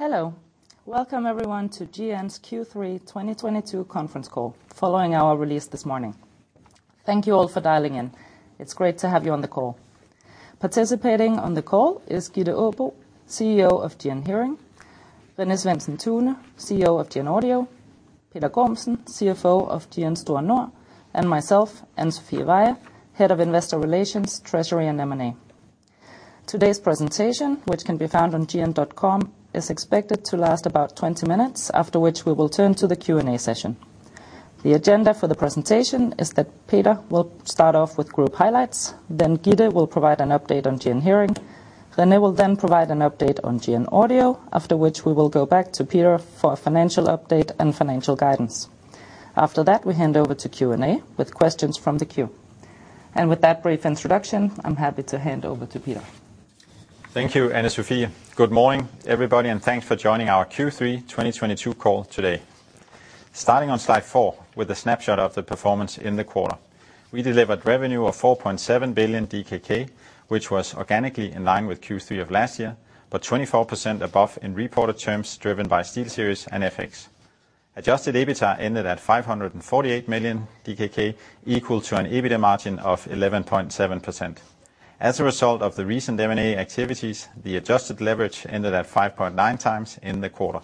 Hello. Welcome everyone to GN's Q3 2022 conference call, following our release this morning. Thank you all for dialing in. It's great to have you on the call. Participating on the call is Gitte Aabo, CEO of GN Hearing, René Svendsen-Tune, CEO of GN Audio, Peter Gormsen, CFO of GN Store Nord, and myself, Anne Sofie Staunsbæk Veyhe, Head of Investor Relations, Treasury and M&A. Today's presentation, which can be found on gn.com, is expected to last about 20 minutes, after which we will turn to the Q&A session. The agenda for the presentation is that Peter will start off with group highlights, then Gitte will provide an update on GN Hearing. René will then provide an update on GN Audio, after which we will go back to Peter for a financial update and financial guidance. After that, we hand over to Q&A with questions from the queue. With that brief introduction, I'm happy to hand over to Peter. Thank you, Anne-Sofie. Good morning, everybody, and thanks for joining our Q3 2022 call today. Starting on slide four with a snapshot of the performance in the quarter. We delivered revenue of 4.7 billion DKK, which was organically in line with Q3 of last year, but 24% above in reported terms driven by SteelSeries and FX. Adjusted EBITDA ended at 548 million DKK, equal to an EBITDA margin of 11.7%. As a result of the recent M&A activities, the adjusted leverage ended at 5.9 times in the quarter.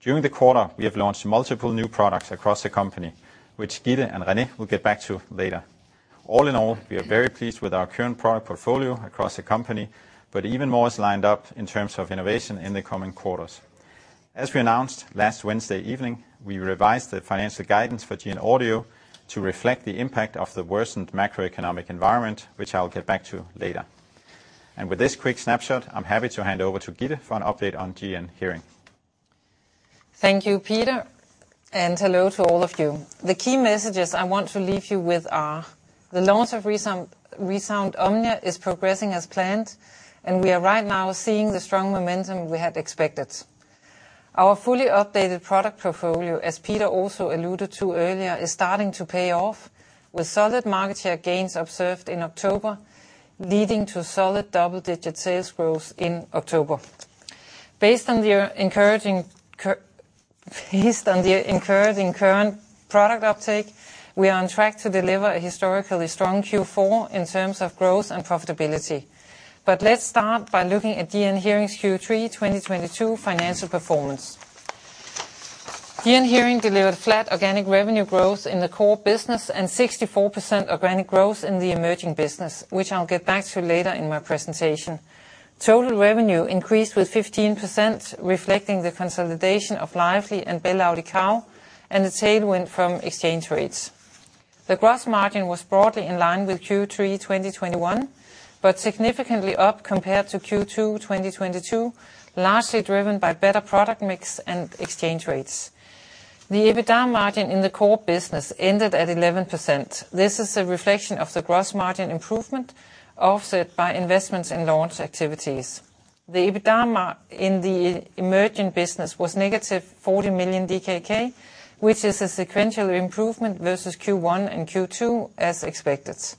During the quarter, we have launched multiple new products across the company, which Gitte and René will get back to later. All in all, we are very pleased with our current product portfolio across the company, but even more is lined up in terms of innovation in the coming quarters. As we announced last Wednesday evening, we revised the financial guidance for GN Audio to reflect the impact of the worsened macroeconomic environment, which I'll get back to later. With this quick snapshot, I'm happy to hand over to Gitte for an update on GN Hearing. Thank you, Peter, and hello to all of you. The key messages I want to leave you with are the launch of ReSound OMNIA is progressing as planned, and we are right now seeing the strong momentum we had expected. Our fully updated product portfolio, as Peter also alluded to earlier, is starting to pay off with solid market share gains observed in October, leading to solid double-digit sales growth in October. Based on the encouraging current product uptake, we are on track to deliver a historically strong Q4 in terms of growth and profitability. Let's start by looking at GN Hearing's Q3 2022 financial performance. GN Hearing delivered flat organic revenue growth in the core business and 64% organic growth in the emerging business, which I'll get back to later in my presentation. Total revenue increased with 15%, reflecting the consolidation of Lively and BelAudição and the tailwind from exchange rates. The gross margin was broadly in line with Q3 2021, but significantly up compared to Q2 2022, largely driven by better product mix and exchange rates. The EBITDA margin in the core business ended at 11%. This is a reflection of the gross margin improvement, offset by investments in launch activities. The EBITDA margin in the emerging business was -40 million DKK, which is a sequential improvement versus Q1 and Q2 as expected.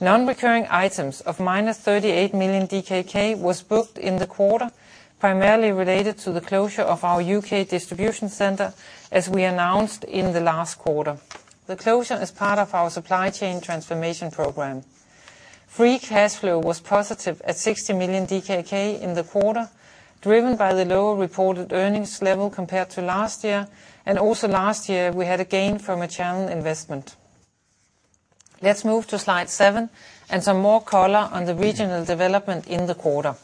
Non-recurring items of -38 million DKK was booked in the quarter, primarily related to the closure of our U.K. distribution center, as we announced in the last quarter. The closure is part of our supply chain transformation program. Free cash flow was positive at 60 million DKK in the quarter, driven by the lower reported earnings level compared to last year, and also last year, we had a gain from a channel investment. Let's move to slide seven and some more color on the regional development in the quarter.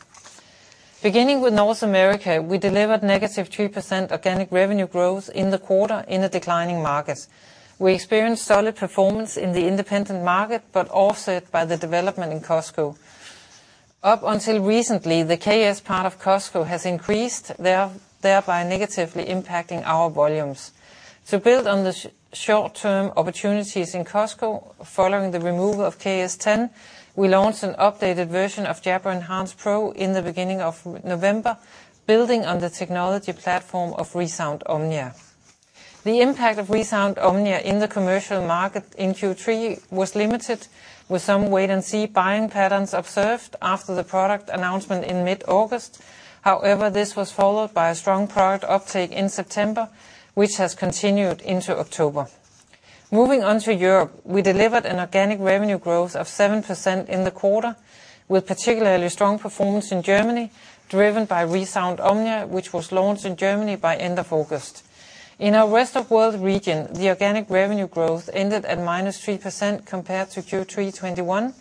Beginning with North America, we delivered -2% organic revenue growth in the quarter in a declining market. We experienced solid performance in the independent market, but offset by the development in Costco. Up until recently, the KS part of Costco has increased, thereby negatively impacting our volumes. To build on the short-term opportunities in Costco following the removal of KS 10, we launched an updated version of Jabra Enhance Pro in the beginning of November, building on the technology platform of ReSound OMNIA. The impact of ReSound OMNIA in the commercial market in Q3 was limited with some wait-and-see buying patterns observed after the product announcement in mid-August. However, this was followed by a strong product uptake in September, which has continued into October. Moving on to Europe, we delivered an organic revenue growth of 7% in the quarter, with particularly strong performance in Germany, driven by ReSound OMNIA, which was launched in Germany by end of August. In our rest of world region, the organic revenue growth ended at -3% compared to Q3 2021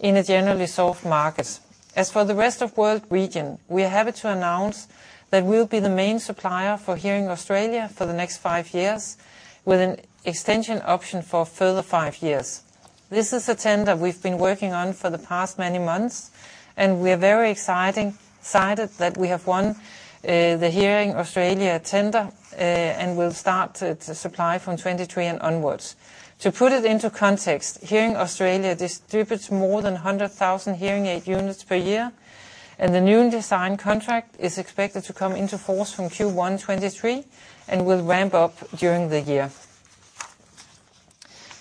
in a generally soft market. As for the rest of world region, we are happy to announce that we'll be the main supplier for Hearing Australia for the next five years with an extension option for a further five years. This is a tender we've been working on for the past many months, and we are very excited that we have won the Hearing Australia tender, and will start to supply from 2023 and onwards. To put it into context, Hearing Australia distributes more than 100,000 hearing aid units per year, and the new design contract is expected to come into force from Q1 2023 and will ramp up during the year.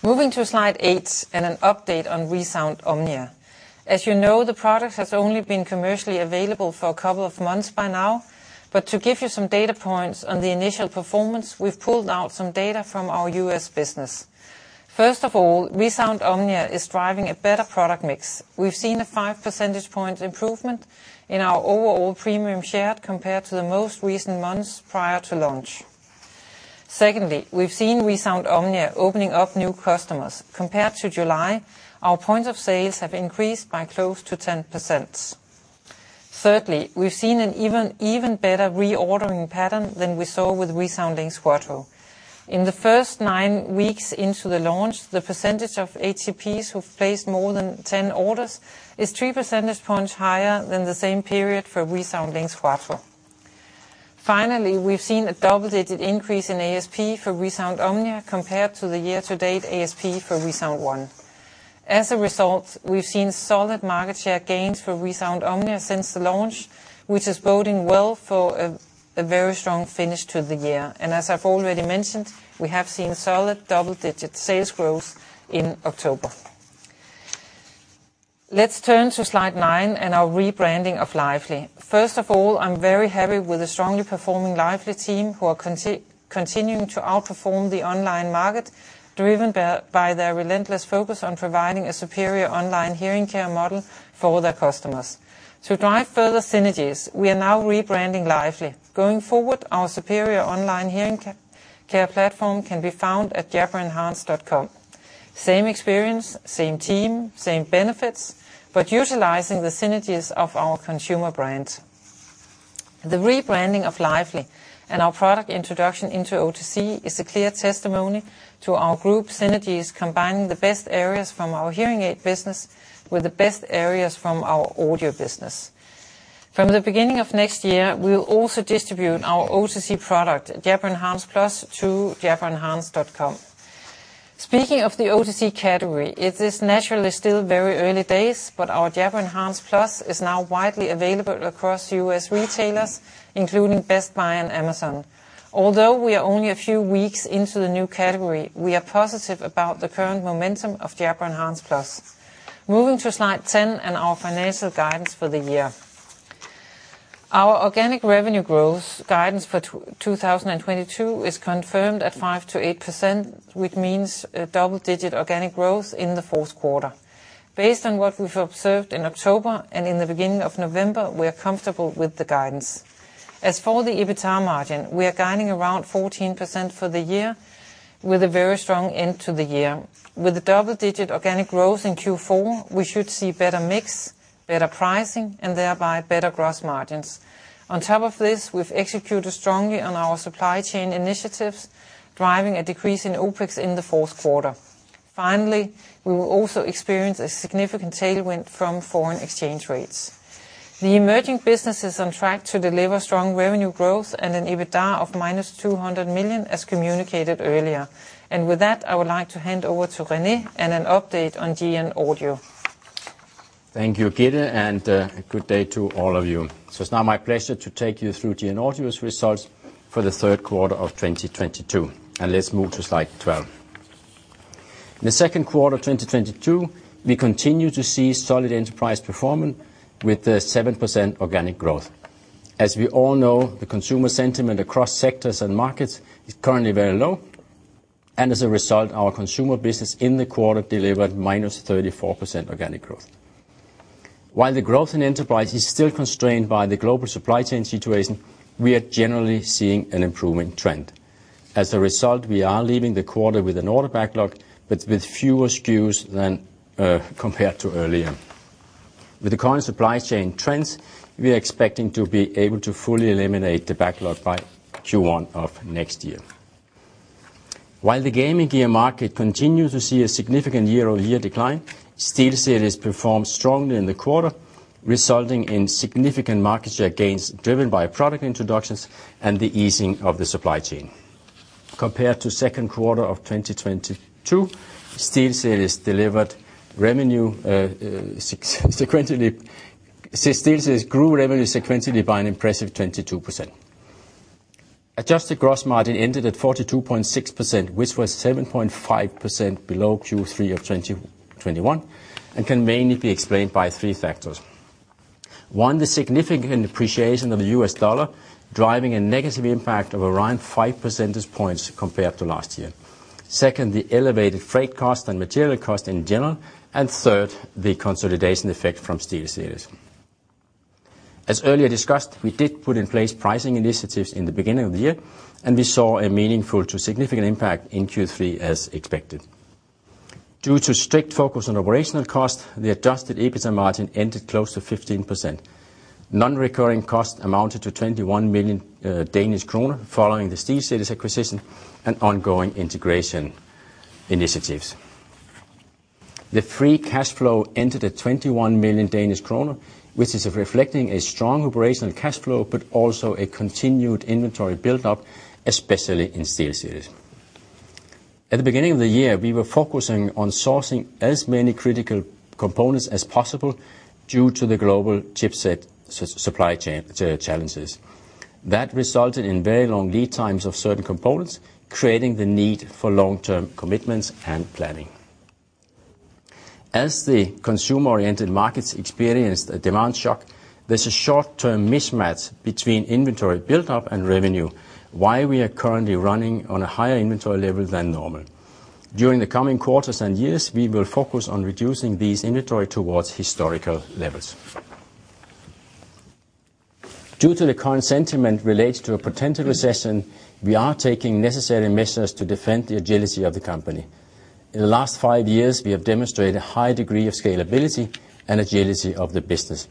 Moving to slide eight and an update on ReSound OMNIA. As you know, the product has only been commercially available for a couple of months by now, but to give you some data points on the initial performance, we've pulled out some data from our US business. First of all, ReSound OMNIA is driving a better product mix. We've seen a five percentage point improvement in our overall premium share compared to the most recent months prior to launch. Secondly, we've seen ReSound OMNIA opening up new customers. Compared to July, our points of sale have increased by close to 10%. Thirdly, we've seen an even better reordering pattern than we saw with ReSound LiNX Quattro. In the first nine weeks into the launch, the percentage of HCPs who've placed more than 10 orders is three percentage points higher than the same period for ReSound LiNX Quattro. Finally, we've seen a double-digit increase in ASP for ReSound OMNIA compared to the year-to-date ASP for ReSound ONE. As a result, we've seen solid market share gains for ReSound OMNIA since the launch, which is boding well for a very strong finish to the year. As I've already mentioned, we have seen solid double-digit sales growth in October. Let's turn to slide nine and our rebranding of Lively. First of all, I'm very happy with the strongly performing Lively team, who are continuing to outperform the online market, driven by their relentless focus on providing a superior online hearing care model for their customers. To drive further synergies, we are now rebranding Lively. Going forward, our superior online hearing care platform can be found at JabraEnhance.com. Same experience, same team, same benefits, but utilizing the synergies of our Consumer brands. The rebranding of Lively and our product introduction into OTC is a clear testimony to our group synergies, combining the best areas from our hearing aid business with the best areas from our audio business. From the beginning of next year, we will also distribute our OTC product, Jabra Enhance Plus, through jabraenhance.com. Speaking of the OTC category, it is naturally still very early days, but our Jabra Enhance Plus is now widely available across U.S. retailers, including Best Buy and Amazon. Although we are only a few weeks into the new category, we are positive about the current momentum of Jabra Enhance Plus. Moving to slide 10 and our financial guidance for the year. Our organic revenue growth guidance for 2022 is confirmed at 5%-8%, which means a double-digit organic growth in the fourth quarter. Based on what we've observed in October and in the beginning of November, we are comfortable with the guidance. As for the EBITDA margin, we are guiding around 14% for the year, with a very strong end to the year. With the double-digit organic growth in Q4, we should see better mix, better pricing, and thereby better gross margins. On top of this, we've executed strongly on our supply chain initiatives, driving a decrease in OpEx in the fourth quarter. Finally, we will also experience a significant tailwind from foreign exchange rates. The emerging business is on track to deliver strong revenue growth and an EBITDA of -200 million, as communicated earlier. With that, I would like to hand over to René and an update on GN Audio. Thank you, Gitte, and good day to all of you. It's now my pleasure to take you through GN Audio's results for the third quarter of 2022. Let's move to slide 12. In the second quarter of 2022, we continue to see solid Enterprise performance with 7% organic growth. As we all know, the consumer sentiment across sectors and markets is currently very low, and as a result, our Consumer business in the quarter delivered -34% organic growth. While the growth in Enterprise is still constrained by the global supply chain situation, we are generally seeing an improving trend. As a result, we are leaving the quarter with an order backlog, but with fewer SKUs than compared to earlier. With the current supply chain trends, we are expecting to be able to fully eliminate the backlog by Q1 of next year. While the gaming gear market continues to see a significant year-over-year decline, SteelSeries performed strongly in the quarter, resulting in significant market share gains driven by product introductions and the easing of the supply chain. Compared to second quarter of 2022, SteelSeries grew revenue sequentially by an impressive 22%. Adjusted gross margin ended at 42.6%, which was 7.5% below Q3 of 2021, and can mainly be explained by three factors. One, the significant appreciation of the US dollar, driving a negative impact of around five percentage points compared to last year. Second, the elevated freight cost and material cost in general, and third, the consolidation effect from SteelSeries. As earlier discussed, we did put in place pricing initiatives in the beginning of the year, and we saw a meaningful to significant impact in Q3 as expected. Due to strict focus on operational cost, the adjusted EBITDA margin ended close to 15%. Non-recurring cost amounted to 21 million Danish kroner, following the SteelSeries acquisition and ongoing integration initiatives. The free cash flow entered at 21 million Danish kroner, which is reflecting a strong operational cash flow, but also a continued inventory buildup, especially in SteelSeries. At the beginning of the year, we were focusing on sourcing as many critical components as possible due to the global chipset supply chain challenges. That resulted in very long lead times of certain components, creating the need for long-term commitments and planning. As the consumer-oriented markets experienced a demand shock, there's a short-term mismatch between inventory buildup and revenue, why we are currently running on a higher inventory level than normal. During the coming quarters and years, we will focus on reducing these inventory towards historical levels. Due to the current sentiment related to a potential recession, we are taking necessary measures to defend the agility of the company. In the last five years, we have demonstrated a high degree of scalability and agility of the business.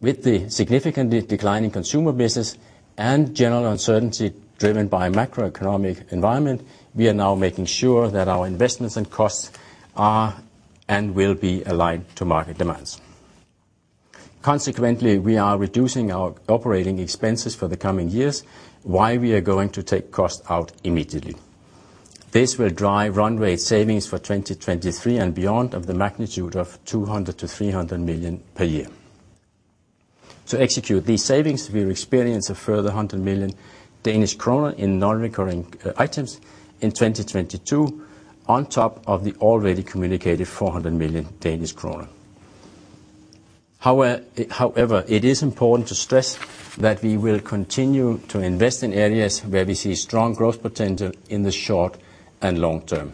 With the significantly declining Consumer business and general uncertainty driven by macroeconomic environment, we are now making sure that our investments and costs are and will be aligned to market demands. Consequently, we are reducing our operating expenses for the coming years while we are going to take costs out immediately. This will drive run rate savings for 2023 and beyond of the magnitude of 200 million-?DKk 300 million per year. To execute these savings, we will experience a further 100 million Danish kroner in non-recurring items in 2022, on top of the already communicated 400 million Danish kroner. However, it is important to stress that we will continue to invest in areas where we see strong growth potential in the short and long term.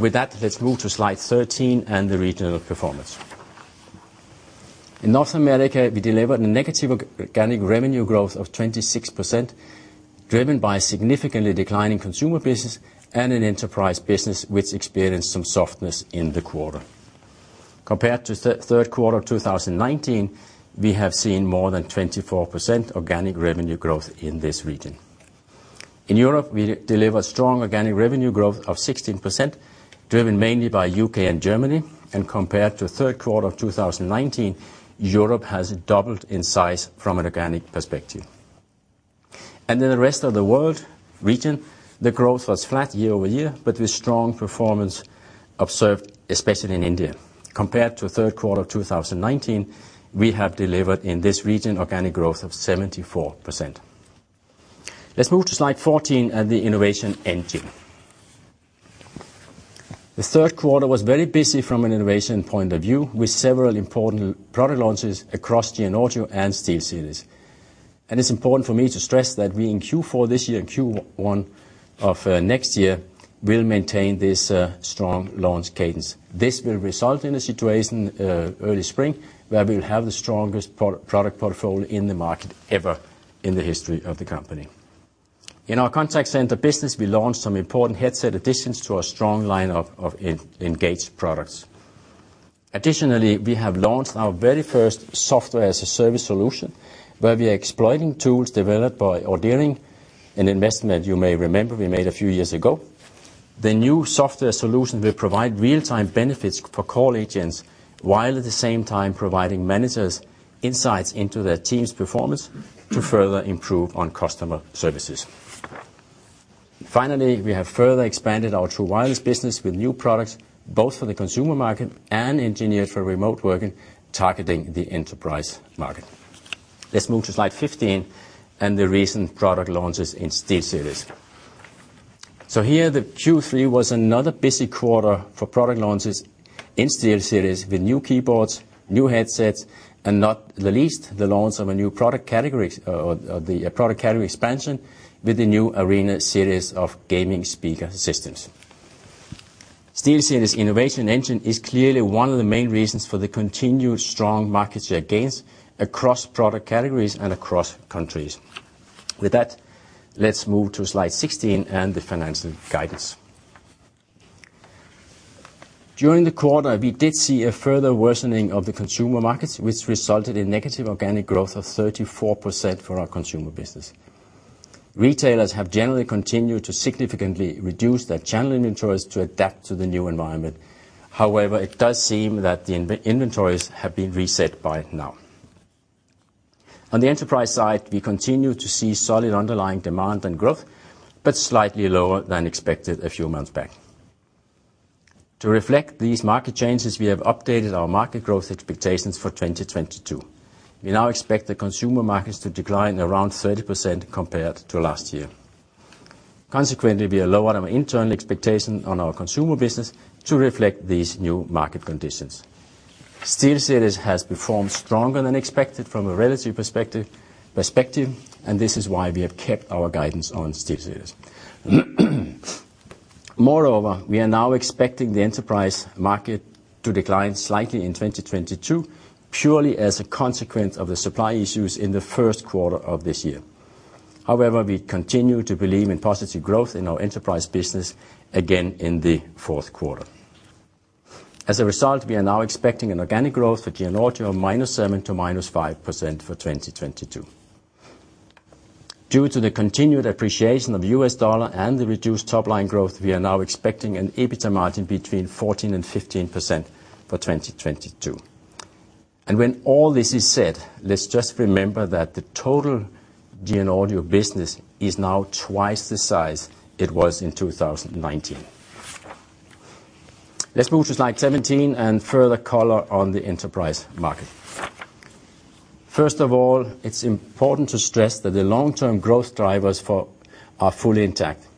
With that, let's move to slide 13 and the regional performance. In North America, we delivered a negative organic revenue growth of 26%, driven by significantly declining Consumer business and an Enterprise business which experienced some softness in the quarter. Compared to third quarter of 2019, we have seen more than 24% organic revenue growth in this region. In Europe, we delivered strong organic revenue growth of 16%, driven mainly by U.K. and Germany. Compared to third quarter of 2019, Europe has doubled in size from an organic perspective. In the rest of the world region, the growth was flat year-over-year, but with strong performance observed, especially in India. Compared to third quarter of 2019, we have delivered in this region organic growth of 74%. Let's move to slide 14 and the innovation engine. The third quarter was very busy from an innovation point of view, with several important product launches across GN Audio and SteelSeries. It's important for me to stress that we in Q4 this year and Q1 of next year will maintain this strong launch cadence. This will result in a situation early spring, where we will have the strongest pro-product portfolio in the market ever in the history of the company. In our contact centre business, we launched some important headset additions to our strong lineup of Engage products. Additionally, we have launched our very first software as a service solution, where we are exploiting tools developed by audEERING, an investment you may remember we made a few years ago. The new software solution will provide real-time benefits for call agents, while at the same time providing managers insights into their team's performance to further improve on customer services. Finally, we have further expanded our true wireless business with new products, both for the Consumer market and engineered for remote working, targeting the Enterprise market. Let's move to slide 15 and the recent product launches in SteelSeries. Here, the Q3 was another busy quarter for product launches in SteelSeries, with new keyboards, new headsets, and not the least, the launch of a new product categories, the product category expansion with the new Arena series of gaming speaker systems. SteelSeries innovation engine is clearly one of the main reasons for the continued strong market share gains across product categories and across countries. With that, let's move to slide 16 and the financial guidance. During the quarter, we did see a further worsening of the Consumer markets, which resulted in negative organic growth of 34% for our Consumer business. Retailers have generally continued to significantly reduce their channel inventories to adapt to the new environment. However, it does seem that the inventories have been reset by now. On the Enterprise side, we continue to see solid underlying demand and growth, but slightly lower than expected a few months back. To reflect these market changes, we have updated our market growth expectations for 2022. We now expect the Consumer markets to decline around 30% compared to last year. Consequently, we are lowering our internal expectation on our Consumer business to reflect these new market conditions. SteelSeries has performed stronger than expected from a relative perspective, and this is why we have kept our guidance on SteelSeries. Moreover, we are now expecting the Enterprise market to decline slightly in 2022, purely as a consequence of the supply issues in the first quarter of this year. However, we continue to believe in positive growth in our Enterprise business again in the fourth quarter. As a result, we are now expecting an organic growth for GN Audio of -7% to -5% for 2022. Due to the continued appreciation of the US dollar and the reduced top-line growth, we are now expecting an EBITDA margin between 14% and 15% for 2022. When all this is said, let's just remember that the total GN Audio business is now twice the size it was in 2019. Let's move to slide 17 and further color on the Enterprise market. First of all, it's important to stress that the long-term growth drivers are fully intact.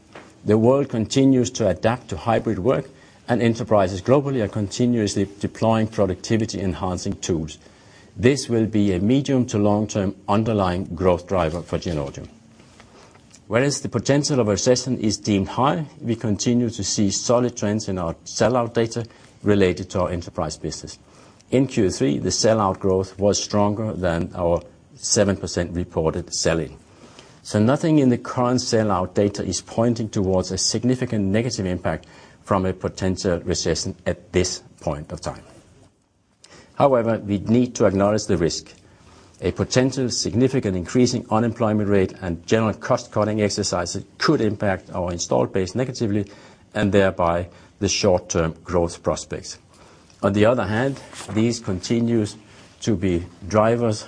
The world continues to adapt to hybrid work, and enterprises globally are continuously deploying productivity-enhancing tools. This will be a medium to long-term underlying growth driver for GN Audio. Whereas the potential of a recession is deemed high, we continue to see solid trends in our sellout data related to our Enterprise business. In Q3, the sellout growth was stronger than our 7% reported sell-in. Nothing in the current sellout data is pointing towards a significant negative impact from a potential recession at this point of time. However, we need to acknowledge the risk. A potential significant increasing unemployment rate and general cost-cutting exercises could impact our installed base negatively, and thereby the short-term growth prospects. On the other hand, there continues to be drivers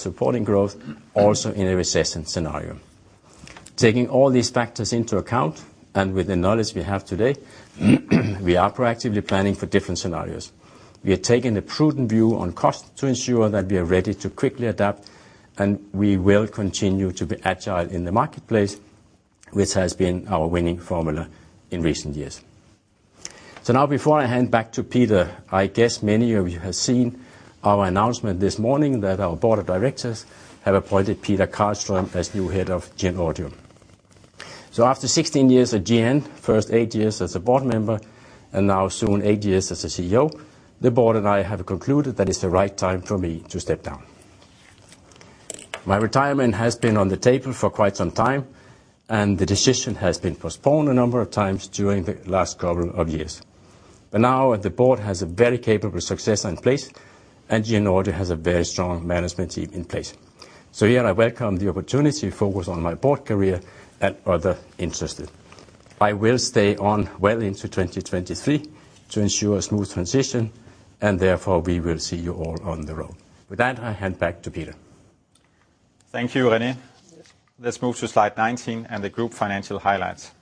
supporting growth also in a recession scenario. Taking all these factors into account, and with the knowledge we have today, we are proactively planning for different scenarios. We are taking a prudent view on cost to ensure that we are ready to quickly adapt, and we will continue to be agile in the marketplace, which has been our winning formula in recent years. Now before I hand back to Peter, I guess many of you have seen our announcement this morning that our board of directors have appointed Peter Gormsen as new head of GN Audio. After 16 years at GN, first eight years as a board member, and now soon eight years as a CEO, the board and I have concluded that it's the right time for me to step down. My retirement has been on the table for quite some time, and the decision has been postponed a number of times during the last couple of years. Now the board has a very capable successor in place, and GN Audio has a very strong management team in place. Here I welcome the opportunity to focus on my board career and other interests. I will stay on well into 2023 to ensure a smooth transition, and therefore, we will see you all on the road. With that, I hand back to Peter. Thank you, René. Let's move to slide 19 and the group financial highlights.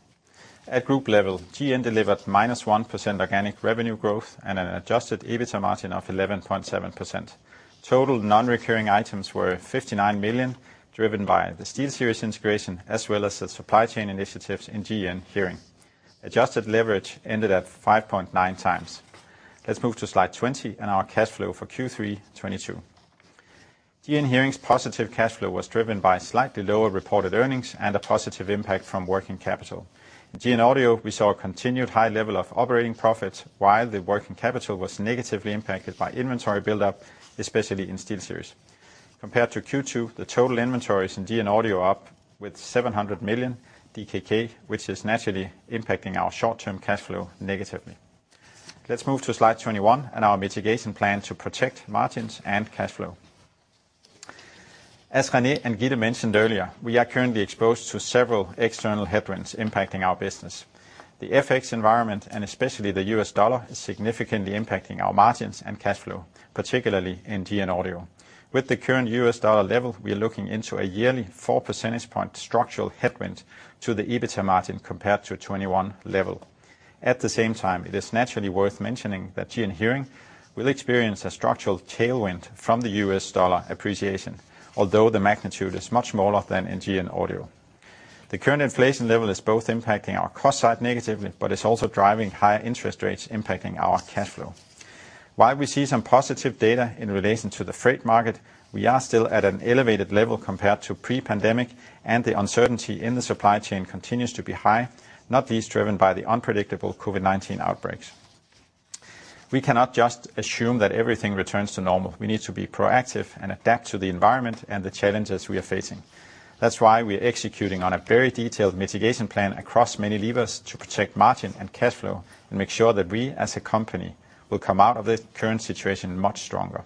At group level, GN delivered -1% organic revenue growth and an adjusted EBITDA margin of 11.7%. Total non-recurring items were 59 million, driven by the SteelSeries integration as well as the supply chain initiatives in GN Hearing. Adjusted leverage ended at 5.9x. Let's move to slide 20 and our cash flow for Q3 2022. GN Hearing's positive cash flow was driven by slightly lower reported earnings and a positive impact from working capital. In GN Audio, we saw a continued high level of operating profits while the working capital was negatively impacted by inventory buildup, especially in SteelSeries. Compared to Q2, the total inventories in GN Audio are up 700 million DKK, which is naturally impacting our short-term cash flow negatively. Let's move to slide 21 and our mitigation plan to protect margins and cash flow. As René and Gitte mentioned earlier, we are currently exposed to several external headwinds impacting our business. The FX environment, and especially the US dollar, is significantly impacting our margins and cash flow, particularly in GN Audio. With the current US dollar level, we are looking into a yearly four percentage point structural headwind to the EBITA margin compared to 2021 level. At the same time, it is naturally worth mentioning that GN Hearing will experience a structural tailwind from the US dollar appreciation, although the magnitude is much smaller than in GN Audio. The current inflation level is both impacting our cost side negatively, but is also driving higher interest rates impacting our cash flow. While we see some positive data in relation to the freight market, we are still at an elevated level compared to pre-pandemic, and the uncertainty in the supply chain continues to be high, not least driven by the unpredictable COVID-19 outbreaks. We cannot just assume that everything returns to normal. We need to be proactive and adapt to the environment and the challenges we are facing. That's why we're executing on a very detailed mitigation plan across many levers to protect margin and cash flow and make sure that we as a company will come out of this current situation much stronger.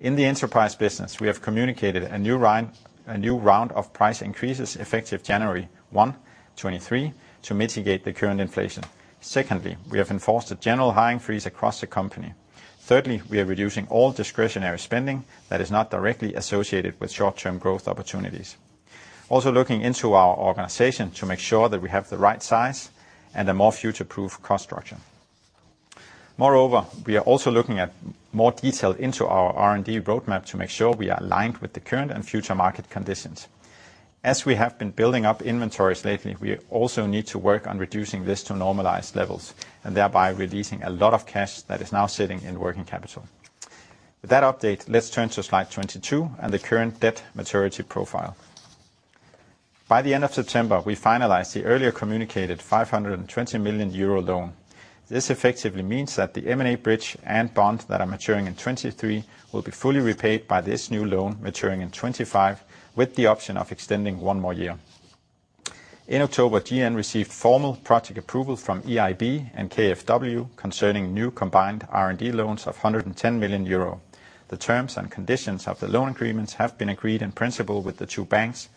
In the Enterprise business, we have communicated a new round of price increases effective January 1, 2023 to mitigate the current inflation. Secondly, we have enforced a general hiring freeze across the company. Thirdly, we are reducing all discretionary spending that is not directly associated with short-term growth opportunities. Also looking into our organization to make sure that we have the right size and a more future-proof cost structure. Moreover, we are also looking at more detail into our R&D roadmap to make sure we are aligned with the current and future market conditions. As we have been building up inventories lately, we also need to work on reducing this to normalized levels, and thereby releasing a lot of cash that is now sitting in working capital. With that update, let's turn to slide 22 and the current debt maturity profile. By the end of September, we finalized the earlier communicated 520 million euro loan. This effectively means that the M&A bridge and bond that are maturing in 2023 will be fully repaid by this new loan maturing in 2025, with the option of extending one more year. In October, GN received formal project approval from EIB and KfW concerning new combined R&D loans of 110 million euro. The terms and conditions of the loan agreements have been agreed in principle with the two banks,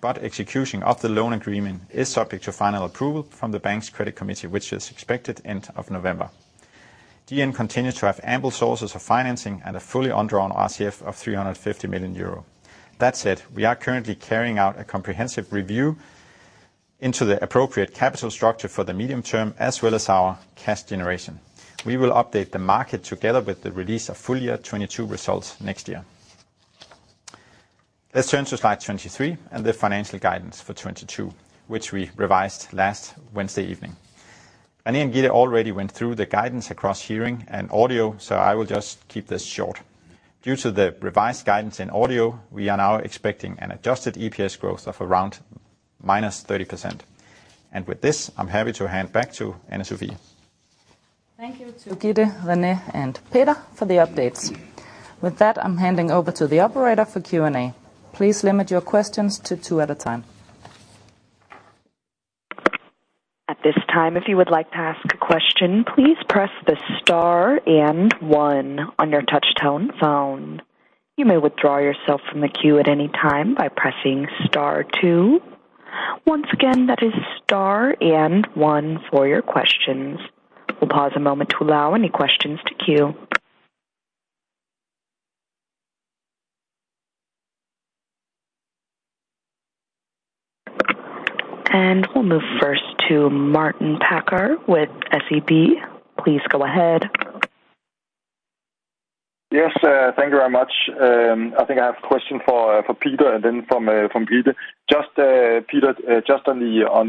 but execution of the loan agreement is subject to final approval from the bank's credit committee, which is expected end of November. GN continues to have ample sources of financing and a fully undrawn RCF of 350 million euro. That said, we are currently carrying out a comprehensive review into the appropriate capital structure for the medium term, as well as our cash generation. We will update the market together with the release of full year 2022 results next year. Let's turn to slide 23 and the financial guidance for 2022, which we revised last Wednesday evening. Gitte already went through the guidance across hearing and audio, so I will just keep this short. Due to the revised guidance in audio, we are now expecting an adjusted EPS growth of around -30%. With this, I'm happy to hand back to Anne-Sofie. Thank you to Gitte, René, and Peter for the updates. With that, I'm handing over to the operator for Q&A. Please limit your questions to two at a time. At this time, if you would like to ask a question, please press the star and one on your touchtone phone. You may withdraw yourself from the queue at any time by pressing star two. Once again, that is star and one for your questions. We'll pause a moment to allow any questions to queue. We'll move first to Martin Parkhøi with SEB. Please go ahead. Yes. Thank you very much. I think I have a question for Peter and then from Gitte. Just Peter, just on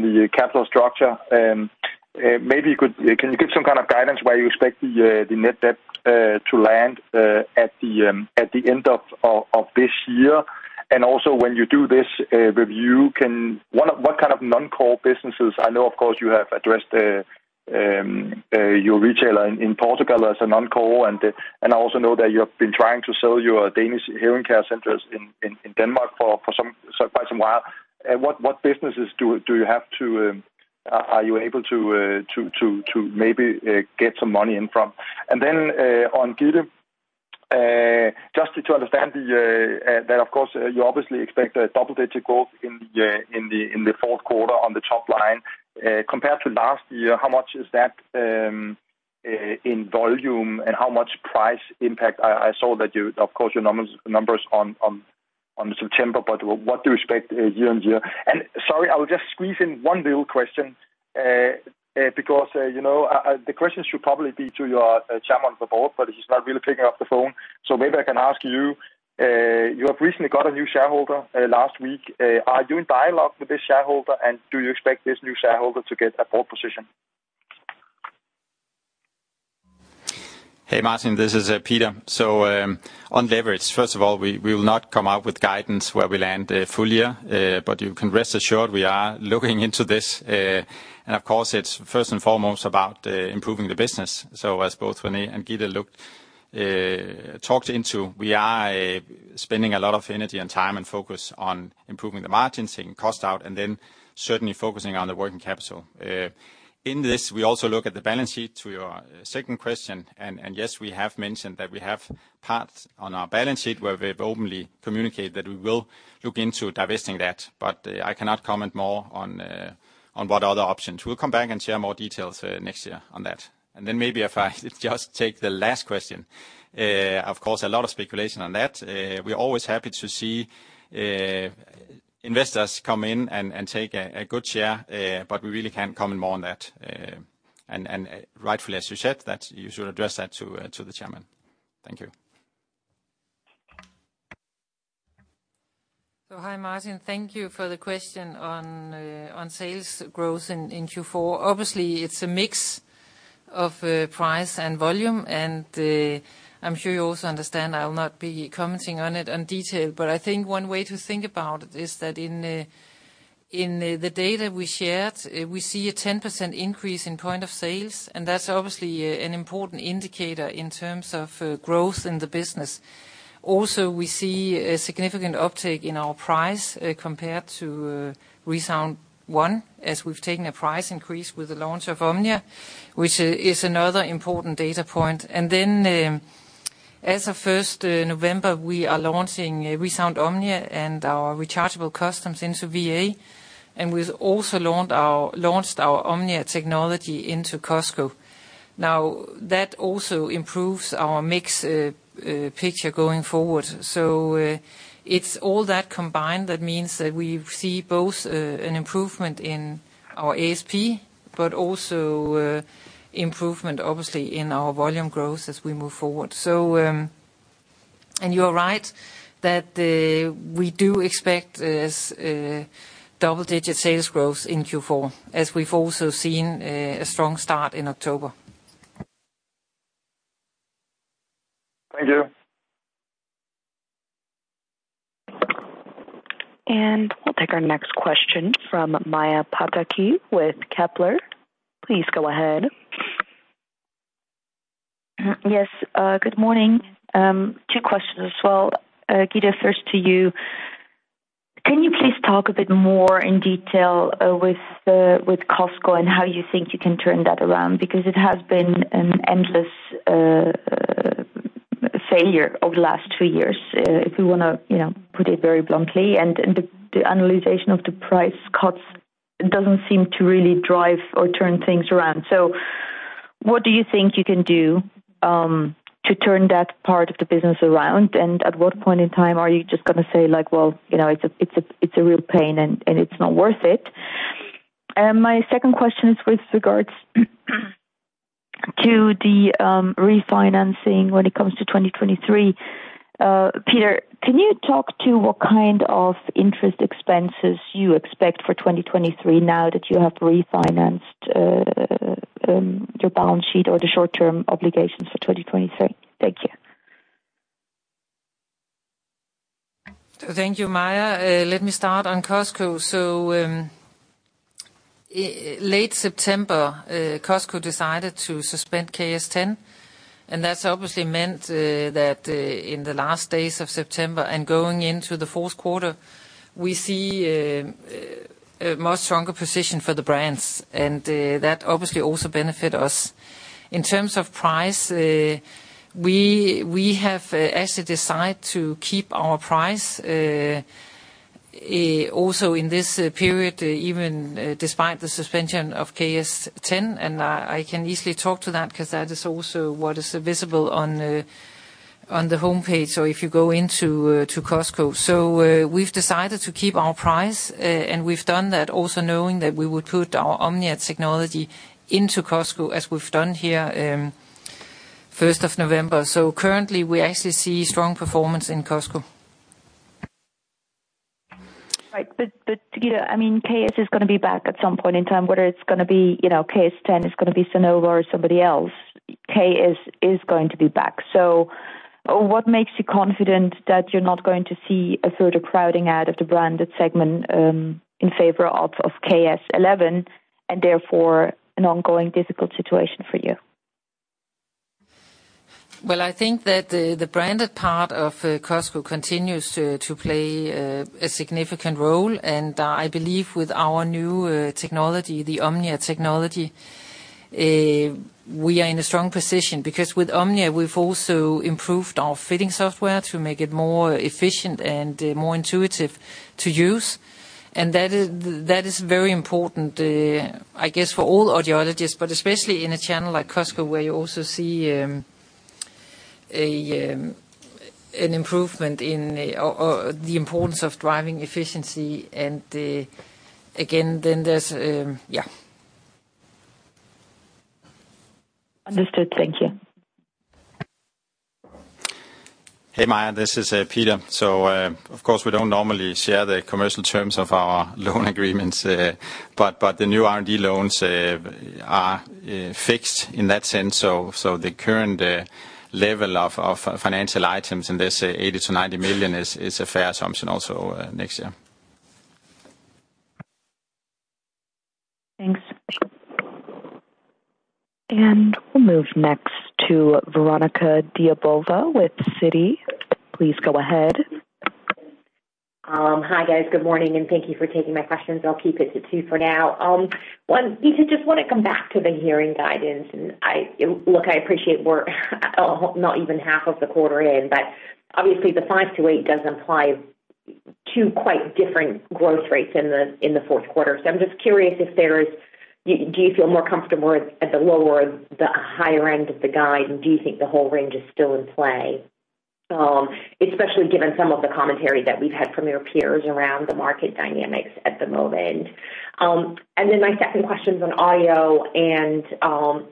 the capital structure, can you give some kind of guidance where you expect the net debt to land at the end of this year? Also, when you do this review, what kind of non-core businesses... I know, of course, you have addressed your retailer in Portugal as a non-core, and I also know that you have been trying to sell your Danish hearing care centers in Denmark for quite some while. What businesses are you able to maybe get some money in from? On Gitte, just to understand that of course you obviously expect double-digit growth in the fourth quarter on the top line. Compared to last year, how much is that in volume, and how much price impact? I saw that. Your numbers on September, but what do you expect year-on-year? Sorry, I will just squeeze in one little question because, you know, the question should probably be to your chairman of the board, but he's not really picking up the phone. Maybe I can ask you have recently got a new shareholder, last week. Are you in dialogue with this shareholder, and do you expect this new shareholder to get a board position? Hey, Martin. This is Peter. On leverage, first of all, we will not come out with guidance where we land full year. You can rest assured we are looking into this. Of course, it's first and foremost about improving the business. As both René and Gitte talked about, we are spending a lot of energy and time and focus on improving the margins and cost out and then certainly focusing on the working capital. In this, we also look at the balance sheet to your second question. Yes, we have mentioned that we have assets on our balance sheet where we've openly communicated that we will look into divesting that, but I cannot comment more on what other options. We'll come back and share more details next year on that. Maybe if I just take the last question. Of course, a lot of speculation on that. We're always happy to see investors come in and take a good share, but we really can't comment more on that. Rightfully, as you said, that you should address that to the chairman. Thank you. Hi, Martin. Thank you for the question on sales growth in Q4. Obviously, it's a mix of price and volume. I'm sure you also understand I will not be commenting on it in detail. I think one way to think about it is that in the data we shared, we see a 10% increase in point of sales, and that's obviously an important indicator in terms of growth in the business. Also, we see a significant uptick in our price compared to ReSound ONE, as we've taken a price increase with the launch of OMNIA, which is another important data point. As of first November, we are launching ReSound OMNIA and our rechargeable customs into VA, and we've also launched our OMNIA technology into Costco. Now, that also improves our mix, picture going forward. It's all that combined that means that we see both an improvement in our ASP, but also improvement obviously in our volume growth as we move forward. You are right that we do expect this double-digit sales growth in Q4, as we've also seen a strong start in October. Thank you. We'll take our next question from Maja Pataki with Kepler. Please go ahead. Yes. Good morning. Two questions as well. Gitte, first to you. Can you please talk a bit more in detail with Costco and how you think you can turn that around? Because it has been an endless failure over the last two years, if we wanna, you know, put it very bluntly, and the annualization of the price cuts doesn't seem to really drive or turn things around. What do you think you can do to turn that part of the business around? And at what point in time are you just gonna say, like, "Well, you know, it's a real pain and it's not worth it"? My second question is with regards to the refinancing when it comes to 2023. Peter, can you talk to what kind of interest expenses you expect for 2023 now that you have refinanced, your balance sheet or the short-term obligations for 2023? Thank you. Thank you, Maya. Let me start on Costco. Late September, Costco decided to suspend KS 10, and that's obviously meant that in the last days of September and going into the fourth quarter, we see a much stronger position for the brands. That obviously also benefits us. In terms of price, we have actually decided to keep our price also in this period even despite the suspension of KS 10. I can easily talk to that 'cause that is also what is visible on the homepage or if you go into Costco. We've decided to keep our price, and we've done that also knowing that we would put our OMNIA technology into Costco as we've done here first of November. Currently we actually see strong performance in Costco. Right. You know, I mean, KS is gonna be back at some point in time, whether it's gonna be, you know, KS 10 is gonna be Sonova or somebody else. KS is going to be back. What makes you confident that you're not going to see a further crowding out of the branded segment in favor of KS 11, and therefore an ongoing difficult situation for you? Well, I think that the branded part of Costco continues to play a significant role. I believe with our new technology, the OMNIA technology, we are in a strong position because with OMNIA we've also improved our fitting software to make it more efficient and more intuitive to use. That is very important, I guess for all audiologists, but especially in a channel like Costco, where you also see an improvement in or the importance of driving efficiency. Understood. Thank you. Hey Maya, this is Peter. Of course we don't normally share the commercial terms of our loan agreements, but the new R&D loans are fixed in that sense. The current level of financial items in this 80 million-90 million is a fair assumption also next year. Thanks. We'll move next to Veronika Dubajova with Citi. Please go ahead. Hi, guys. Good morning, and thank you for taking my questions. I'll keep it to two for now. One, Peter, just wanna come back to the hearing guidance. Look, I appreciate we're not even half of the quarter in, but obviously the 5%-8% does imply two quite different growth rates in the fourth quarter. I'm just curious if there's. Do you feel more comfortable at the lower or the higher end of the guide? Do you think the whole range is still in play? Especially given some of the commentary that we've had from your peers around the market dynamics at the moment. My second question's on audio and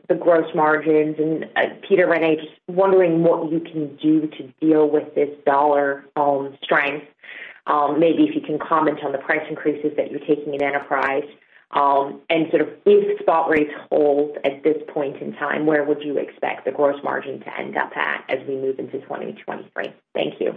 the gross margins. Peter, René, just wondering what you can do to deal with this dollar strength. Maybe if you can comment on the price increases that you're taking in Enterprise? Sort of if spot rates hold at this point in time, where would you expect the gross margin to end up at as we move into 2023? Thank you.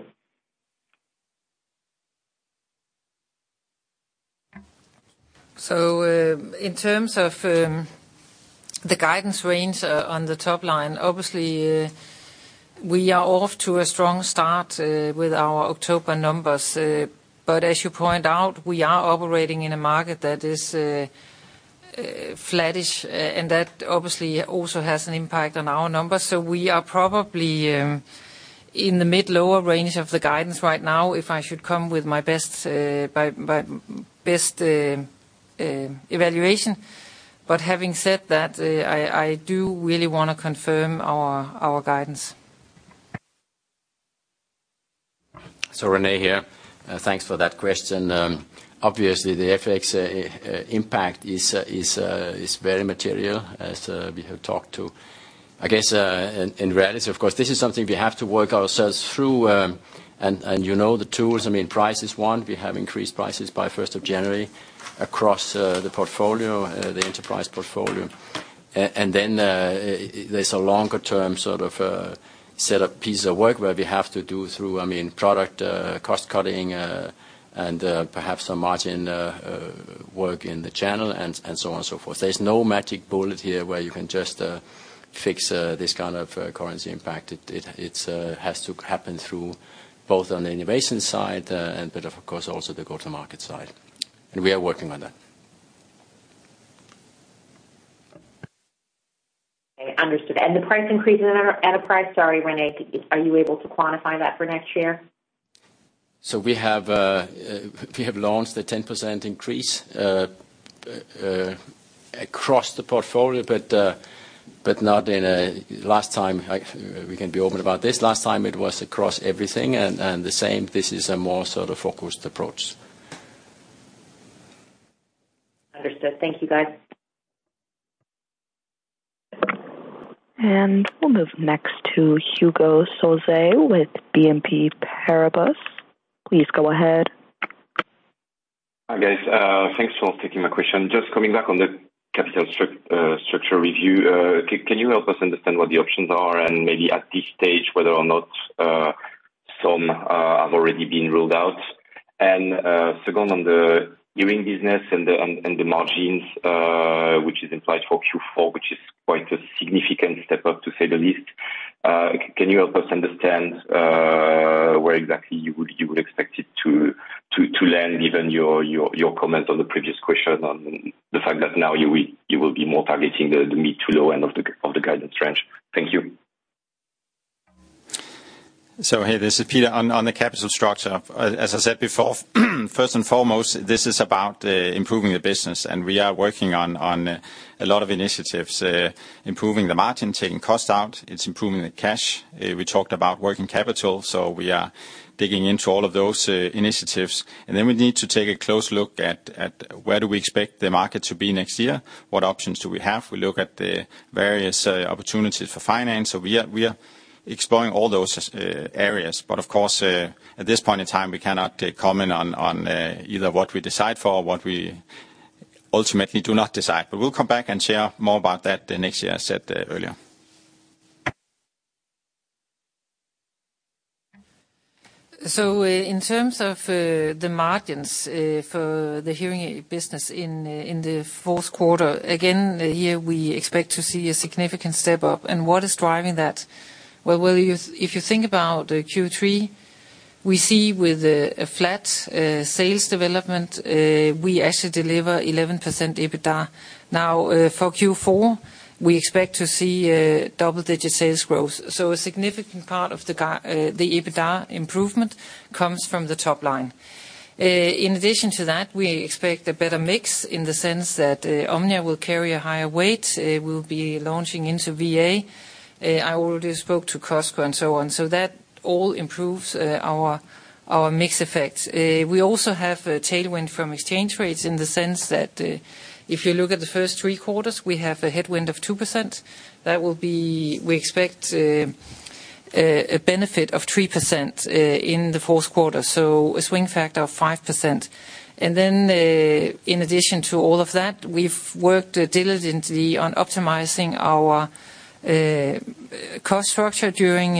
In terms of the guidance range on the top line, obviously, we are off to a strong start with our October numbers. As you point out, we are operating in a market that is flattish, and that obviously also has an impact on our numbers. We are probably in the mid-lower range of the guidance right now, if I should come with my best evaluation. Having said that, I do really wanna confirm our guidance. René here. Thanks for that question. Obviously the FX impact is very material as we have talked about. I guess in reality, of course, this is something we have to work ourselves through. And you know the tools, I mean, price is one. We have increased prices by first of January across the portfolio, the Enterprise portfolio. And then there's a longer term sort of set piece of work where we have to go through, I mean, product cost-cutting and perhaps some margin work in the channel and so on and so forth. There's no magic bullet here where you can just fix this kind of currency impact. It has to happen through both on the innovation side, and, of course, also the go-to-market side. We are working on that. Okay, understood. The price increase in Enterprise, sorry, René, are you able to quantify that for next year? We have launched a 10% increase across the portfolio, but. Last time, like we can be open about this, last time it was across everything, and the same, this is a more sort of focused approach. Understood. Thank you, guys. We'll move next to Hugo Solvet with BNP Paribas. Please go ahead. Hi guys, thanks for taking my question. Just coming back on the capital structure review. Can you help us understand what the options are and maybe at this stage whether or not some have already been ruled out? Second on the hearing business and the margins, which is implied for Q4, which is quite a significant step up to say the least. Can you help us understand where exactly you would expect it to land given your comment on the previous question on the fact that now you will be more targeting the mid to low end of the guidance range? Thank you. Hey, this is Peter. On the capital structure, as I said before, first and foremost, this is about improving the business, and we are working on a lot of initiatives. Improving the margin, taking costs out, it's improving the cash. We talked about working capital, so we are digging into all of those initiatives. Then we need to take a close look at where do we expect the market to be next year? What options do we have? We look at the various opportunities for financing. We are exploring all those areas. Of course, at this point in time, we cannot comment on either what we decide for or what we ultimately do not decide. We'll come back and share more about that next year, I said earlier. In terms of the margins for the hearing aid business in the fourth quarter, again, here we expect to see a significant step up. What is driving that? If you think about Q3, we see with a flat sales development, we actually deliver 11% EBITDA. Now, for Q4, we expect to see double-digit sales growth. A significant part of the EBITDA improvement comes from the top line. In addition to that, we expect a better mix in the sense that OMNIA will carry a higher weight, it will be launching into VA. I already spoke to Costco and so on. That all improves our mix effect. We also have a tailwind from exchange rates in the sense that, if you look at the first three quarters, we have a headwind of 2%. That will be, we expect, a benefit of 3% in the fourth quarter, so a swing factor of 5%. In addition to all of that, we've worked diligently on optimizing our cost structure during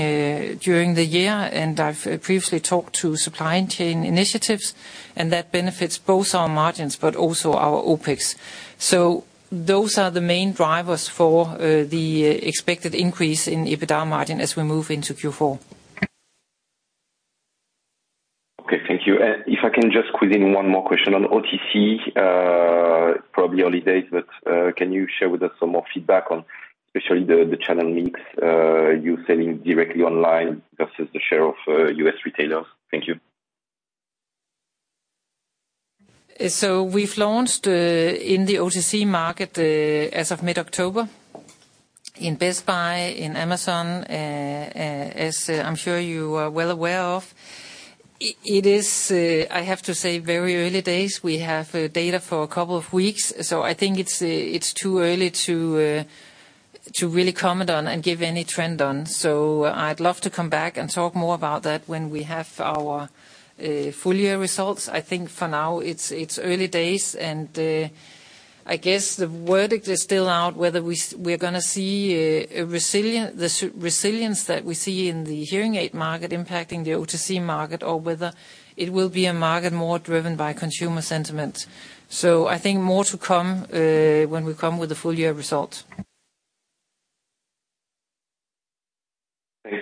the year, and I've previously talked to supply chain initiatives, and that benefits both our margins but also our OpEx. Those are the main drivers for the expected increase in EBITDA margin as we move into Q4. Okay, thank you. If I can just squeeze in one more question on OTC, probably early days, but, can you share with us some more feedback on especially the channel mix, you selling directly online versus the share of U.S. retailers? Thank you. We've launched in the OTC market as of mid-October in Best Buy, in Amazon, as I'm sure you are well aware of. It is, I have to say, very early days. We have data for a couple of weeks, so I think it's too early to really comment on and give any trend on. I'd love to come back and talk more about that when we have our full year results. I think for now it's early days and I guess the verdict is still out whether we're gonna see the resilience that we see in the hearing aid market impacting the OTC market or whether it will be a market more driven by consumer sentiment. I think more to come, when we come with the full year results. Thanks.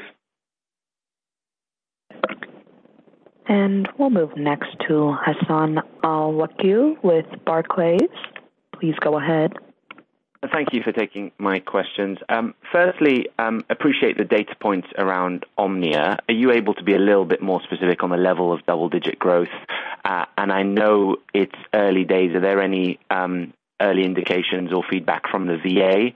We'll move next to Hassan Al-Wakeel with Barclays. Please go ahead. Thank you for taking my questions. First, appreciate the data points around OMNIA. Are you able to be a little bit more specific on the level of double-digit growth? I know it's early days, are there any early indications or feedback from the VA?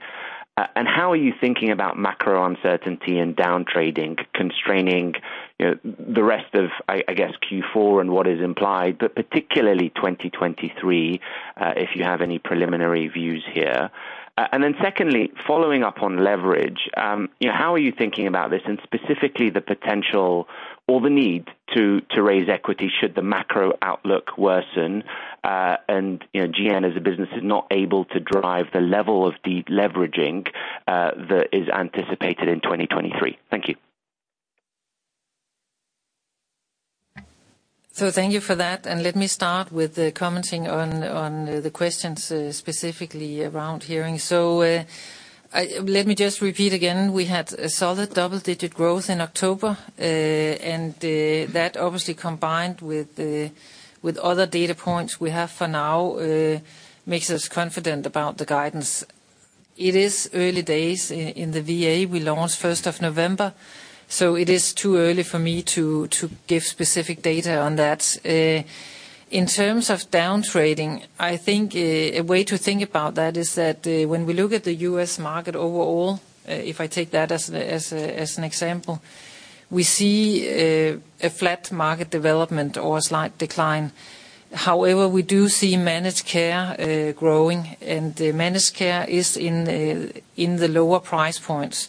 And how are you thinking about macro uncertainty and down trading constraining, you know, the rest of, I guess, Q4 and what is implied, but particularly 2023, if you have any preliminary views here? And then secondly, following up on leverage, you know, how are you thinking about this and specifically the potential or the need to raise equity should the macro outlook worsen, and, you know, GN as a business is not able to drive the level of de-leveraging that is anticipated in 2023? Thank you. Thank you for that, and let me start with commenting on the questions specifically around hearing. Let me just repeat again, we had a solid double-digit growth in October. That obviously combined with other data points we have for now makes us confident about the guidance. It is early days in the VA. We launched first of November. It is too early for me to give specific data on that. In terms of down trading, I think a way to think about that is that when we look at the U.S. market overall, if I take that as an example, we see a flat market development or a slight decline. However, we do see managed care growing, and managed care is in the lower price points.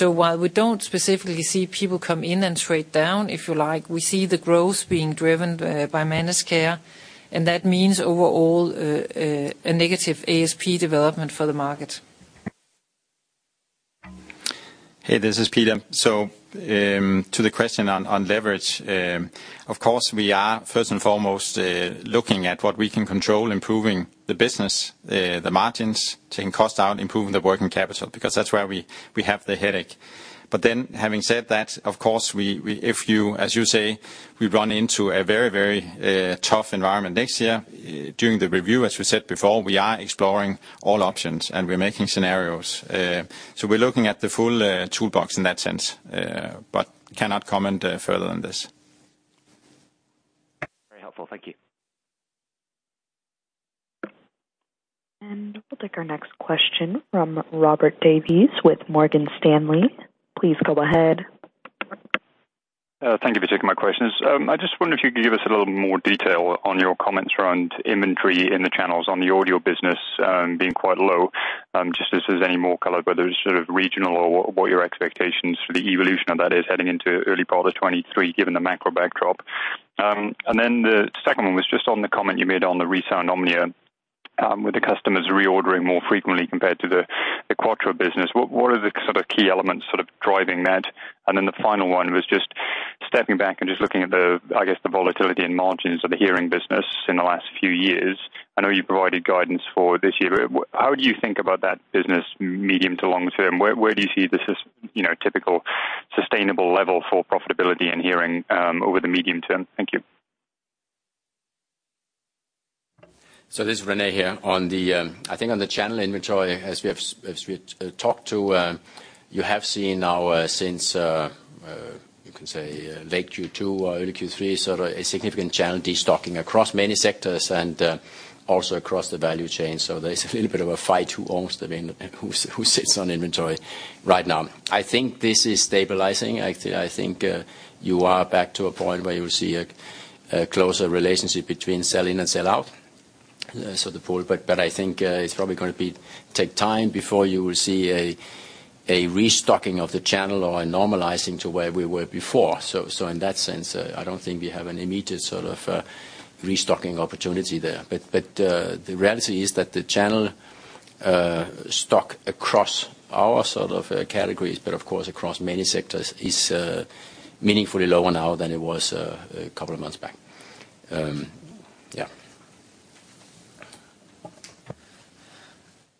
While we don't specifically see people come in and trade down, if you like, we see the growth being driven by managed care, and that means overall a negative ASP development for the market. Hey, this is Peter. To the question on leverage. Of course, we are first and foremost looking at what we can control, improving the business, the margins, taking costs down, improving the working capital, because that's where we have the headache. Having said that, of course, if you, as you say, we run into a very, very tough environment next year during the review, as we said before, we are exploring all options and we're making scenarios. We're looking at the full toolbox in that sense, but cannot comment further on this. Very helpful. Thank you. We'll take our next question from Robert Davies with Morgan Stanley. Please go ahead. Thank you for taking my questions. I just wonder if you could give us a little more detail on your comments around inventory in the channels on the audio business being quite low. Just if there's any more color, whether it's sort of regional or what your expectations for the evolution of that is heading into early part of 2023, given the macro backdrop. The second one was just on the comment you made on the ReSound OMNIA, with the customers reordering more frequently compared to the Quattro business. What are the sort of key elements sort of driving that? The final one was just stepping back and just looking at the, I guess, the volatility in margins of the hearing business in the last few years. I know you provided guidance for this year. How do you think about that business medium to long term? Where do you see the typical sustainable level for profitability in hearing over the medium term? Thank you. This is René here. I think on the channel inventory, as we have talked about, you have seen now since, you can say late Q2, early Q3, sort of a significant channel destocking across many sectors and also across the value chain. There's a little bit of a fight who sits on inventory right now. I think this is stabilizing. I think you are back to a point where you see a closer relationship between sell in and sell out. The pool. I think it's probably going to take time before you will see a restocking of the channel or a normalizing to where we were before. In that sense, I don't think we have an immediate sort of restocking opportunity there. The reality is that the channel stock across our sort of categories, but of course, across many sectors, is meaningfully lower now than it was a couple of months back.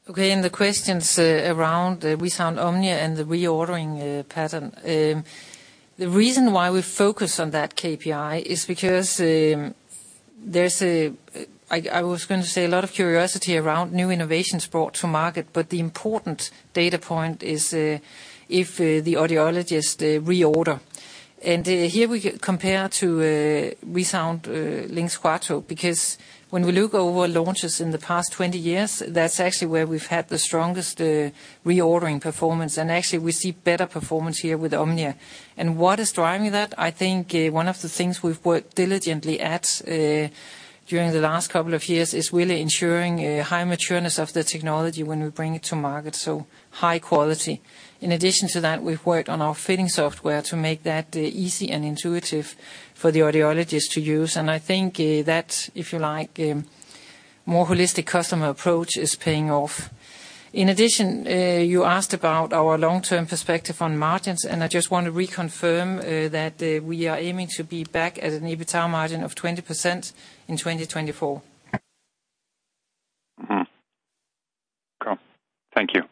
Yeah. Okay. The questions around ReSound OMNIA and the reordering pattern. The reason why we focus on that KPI is because there's a lot of curiosity around new innovations brought to market. The important data point is if the audiologists reorder. Here we compare to ReSound LiNX Quattro, because when we look over launches in the past 20 years, that's actually where we've had the strongest reordering performance. Actually we see better performance here with OMNIA. What is driving that? I think one of the things we've worked diligently at during the last couple of years is really ensuring a high matureness of the technology when we bring it to market. High quality. In addition to that, we've worked on our fitting software to make that easy and intuitive for the audiologists to use. I think that, if you like, more holistic customer approach is paying off. In addition, you asked about our long-term perspective on margins, and I just want to reconfirm that we are aiming to be back at an EBITDA margin of 20% in 2024. Cool. Thank you.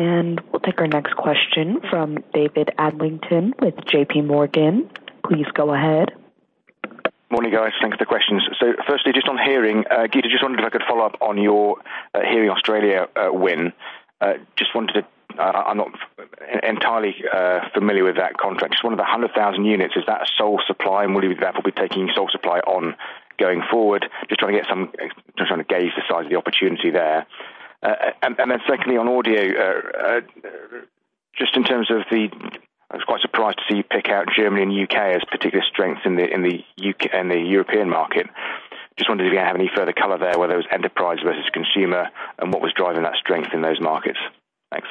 We'll take our next question from David Adlington with J.P. Morgan. Please go ahead. Morning, guys. Thanks for the questions. Firstly, just on hearing, Gitte, just wondering if I could follow up on your Hearing Australia win. Just wanted to, I'm not entirely familiar with that contract. Just wonder if the 100,000 units, is that a sole supply and will you therefore be taking sole supply ongoing forward? Just trying to gauge the size of the opportunity there. Secondly, on audio, just in terms of, I was quite surprised to see you pick out Germany and U.K. as particular strengths in the European market. Just wondering if you have any further color there, whether it was Enterprise versus Consumer and what was driving that strength in those markets. Thanks.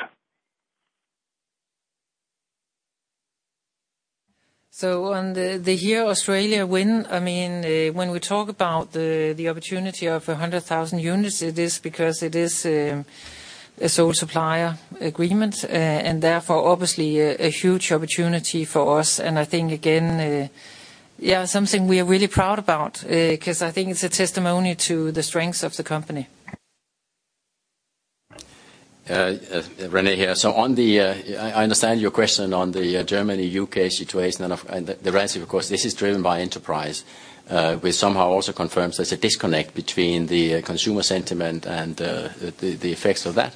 On the Hearing Australia win, I mean, when we talk about the opportunity of 100,000 units, it is because it is a sole supplier agreement, and therefore obviously a huge opportunity for us. I think, again. Yeah, something we are really proud about, 'cause I think it's a testimony to the strengths of the company. René here. I understand your question on the Germany/U.K. situation and the rest, of course. This is driven by Enterprise, which somehow also confirms there's a disconnect between the consumer sentiment and the effects of that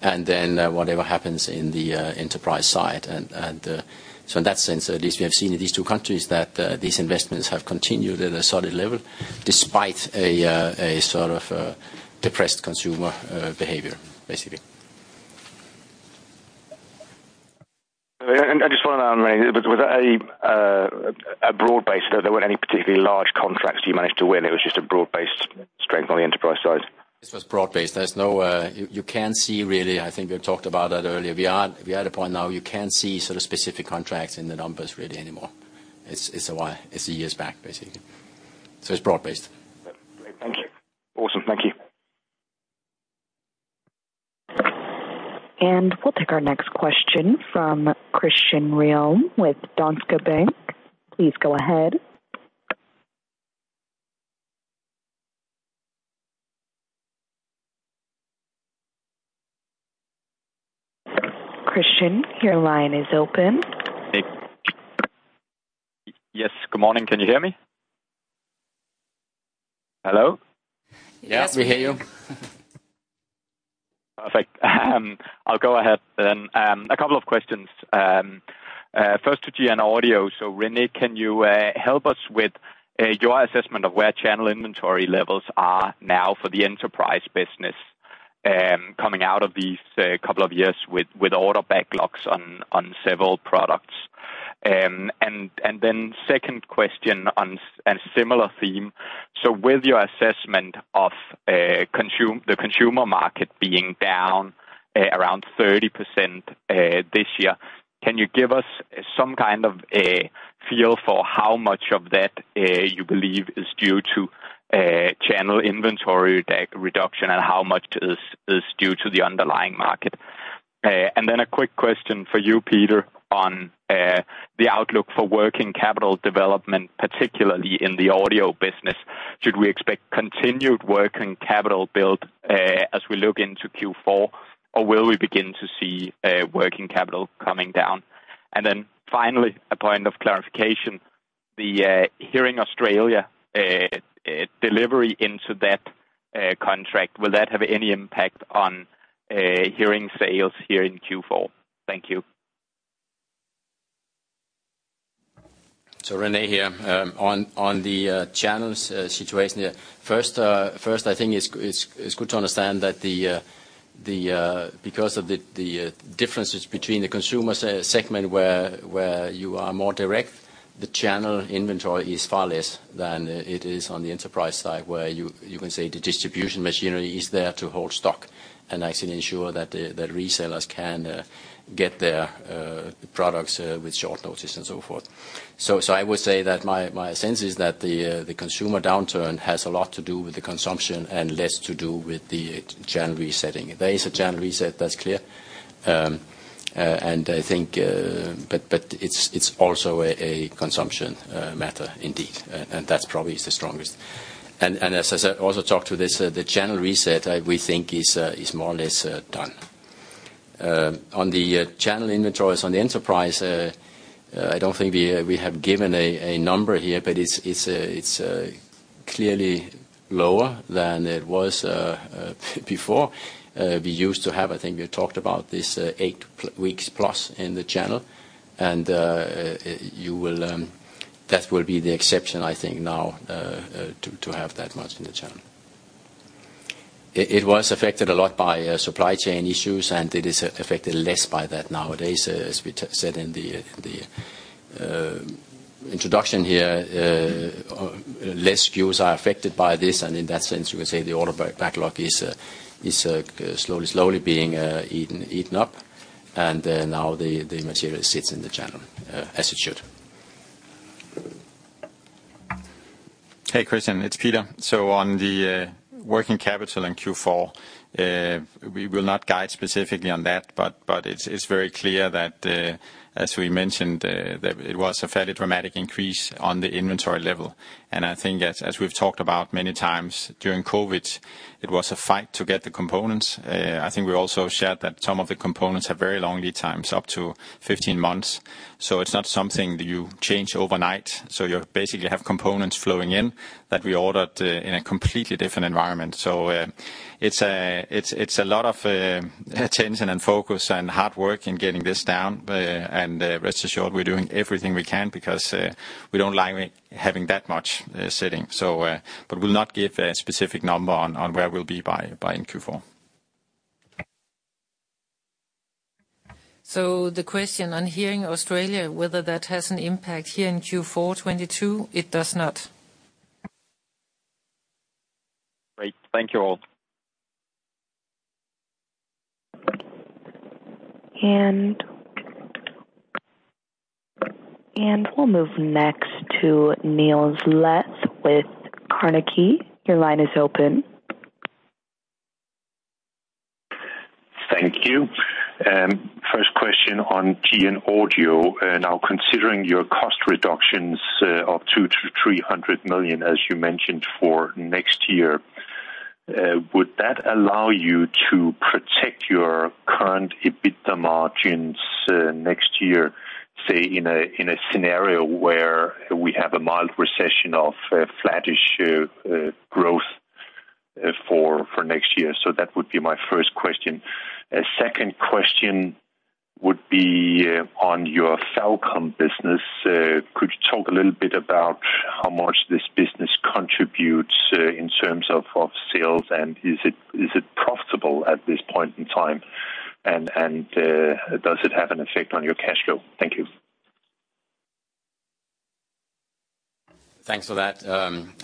and then whatever happens in the Enterprise side. In that sense, at least we have seen in these two countries that these investments have continued at a solid level despite a sort of depressed consumer behavior, basically. I just wanna know, René, was that a broad-based? There weren't any particularly large contracts you managed to win, it was just a broad-based strength on the Enterprise side? This was broad-based. There's no. You can see really, I think we talked about that earlier. We are at a point now you can see sort of specific contracts in the numbers really anymore. It's a while. It's years back, basically. It's broad-based. Great. Thank you. Awesome. Thank you. We'll take our next question from Christian Ryom with Danske Bank. Please go ahead. Christian, your line is open. Yes. Good morning. Can you hear me? Hello? Yes, we hear you. Perfect. I'll go ahead then. A couple of questions. First to GN Audio. René, can you help us with your assessment of where channel inventory levels are now for the Enterprise business, coming out of these couple of years with order backlogs on several products? Second question on a similar theme. With your assessment of the Consumer market being down around 30% this year, can you give us some kind of a feel for how much of that you believe is due to channel inventory reduction and how much is due to the underlying market? A quick question for you, Peter, on the outlook for working capital development, particularly in the audio business. Should we expect continued working capital build as we look into Q4, or will we begin to see working capital coming down? Finally, a point of clarification. The Hearing Australia delivery into that contract, will that have any impact on hearing sales here in Q4? Thank you. René here. On the channels situation. First, I think it's good to understand that because of the differences between the Consumer segment where you are more direct, the channel inventory is far less than it is on the Enterprise side, where you can say the distribution machinery is there to hold stock and actually ensure that the resellers can get their products with short notice and so forth. I would say that my sense is that the Consumer downturn has a lot to do with the consumption and less to do with the channel resetting. There is a channel reset, that's clear. And I think... It's also a consumption matter indeed, and that probably is the strongest. As I also talked to this, the channel reset, we think is more or less done. On the channel inventories on the Enterprise, I don't think we have given a number here, but it's clearly lower than it was before. We used to have, I think we talked about this, eight weeks plus in the channel, and you will. That will be the exception, I think now to have that much in the channel. It was affected a lot by supply chain issues, and it is affected less by that nowadays. As we said in the introduction here, less SKUs are affected by this, and in that sense, you could say the order backlog is slowly being eaten up. Now the material sits in the channel, as it should. Hey, Christian, it's Peter. On the working capital in Q4, we will not guide specifically on that, but it's very clear that, as we mentioned, that it was a fairly dramatic increase on the inventory level. I think as we've talked about many times during COVID, it was a fight to get the components. I think we also shared that some of the components have very long lead times, up to 15 months, so it's not something that you change overnight. You basically have components flowing in that we ordered in a completely different environment. It's a lot of attention and focus and hard work in getting this down. Rest assured, we're doing everything we can because we don't like having that much sitting. We'll not give a specific number on where we'll be by Q4. The question on Hearing Australia, whether that has an impact here in Q4 2022, it does not. Great. Thank you all. We'll move next to Niels Leth with Carnegie. Your line is open. Thank you. First question on GN Audio. Now considering your cost reductions of 200 million-300 million as you mentioned for next year, would that allow you to protect your current EBITDA margins next year, say in a scenario where we have a mild recession or flattish growth for next year? That would be my first question. Second question would be on your FalCom business. Could you talk a little bit about how much this business contributes in terms of sales, and is it profitable at this point in time? Does it have an effect on your cash flow? Thank you. Thanks for that.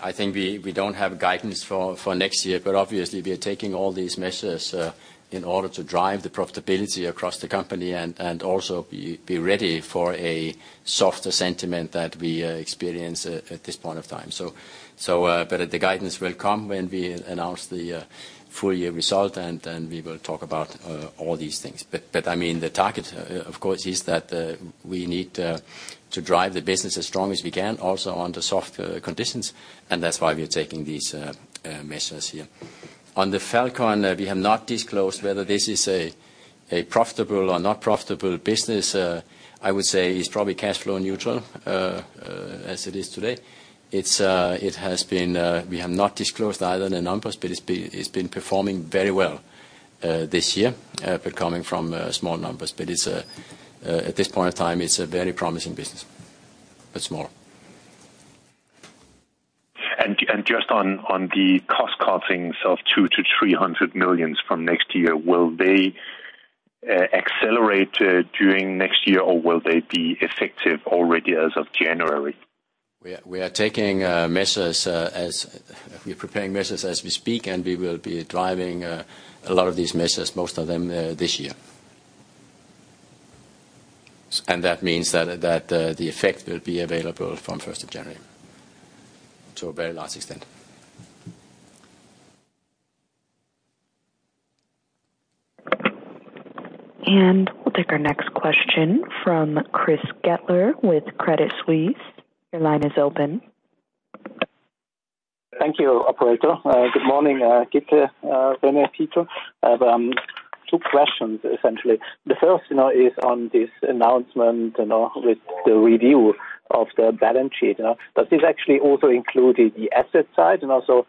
I think we don't have guidance for next year, but obviously we are taking all these measures in order to drive the profitability across the company and also be ready for a softer sentiment that we experience at this point of time. The guidance will come when we announce the full year result, and we will talk about all these things. I mean, the target of course is that we need to drive the business as strong as we can also under softer conditions, and that's why we are taking these measures here. On the FalCom, we have not disclosed whether this is a profitable or not profitable business. I would say it's probably cash flow neutral as it is today. We have not disclosed either the numbers, but it's been performing very well this year, but coming from small numbers. It's at this point in time a very promising business. Small. Just on the cost cuttings of 200 million-300 million from next year, will they accelerate during next year, or will they be effective already as of January? We're preparing measures as we speak, and we will be driving a lot of these measures, most of them, this year. That means that the effect will be available from first of January to a very large extent. We'll take our next question from Chris Gretler with Credit Suisse. Your line is open. Thank you, operator. Good morning, Gitte, René, Peter. Two questions, essentially. The first, you know, is on this announcement, you know, with the review of the balance sheet. Now, does this actually also include the asset side? And also,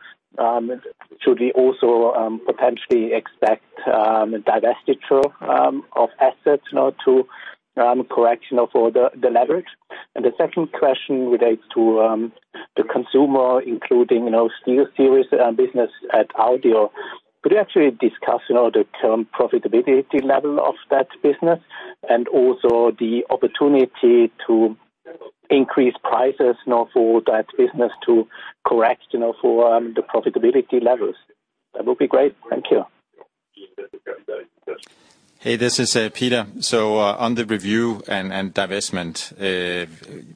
should we also potentially expect divestiture of assets now to correct all the leverage? And the second question relates to the Consumer, including, you know, SteelSeries, business at Audio. Could you actually discuss, you know, the current profitability level of that business, and also the opportunity to increase prices, you know, for that business to correct, you know, for the profitability levels? That would be great. Thank you. Hey, this is Peter. On the review and divestment,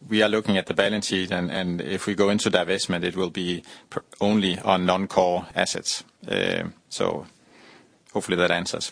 we are looking at the balance sheet. If we go into divestment, it will be only on non-core assets. Hopefully that answers.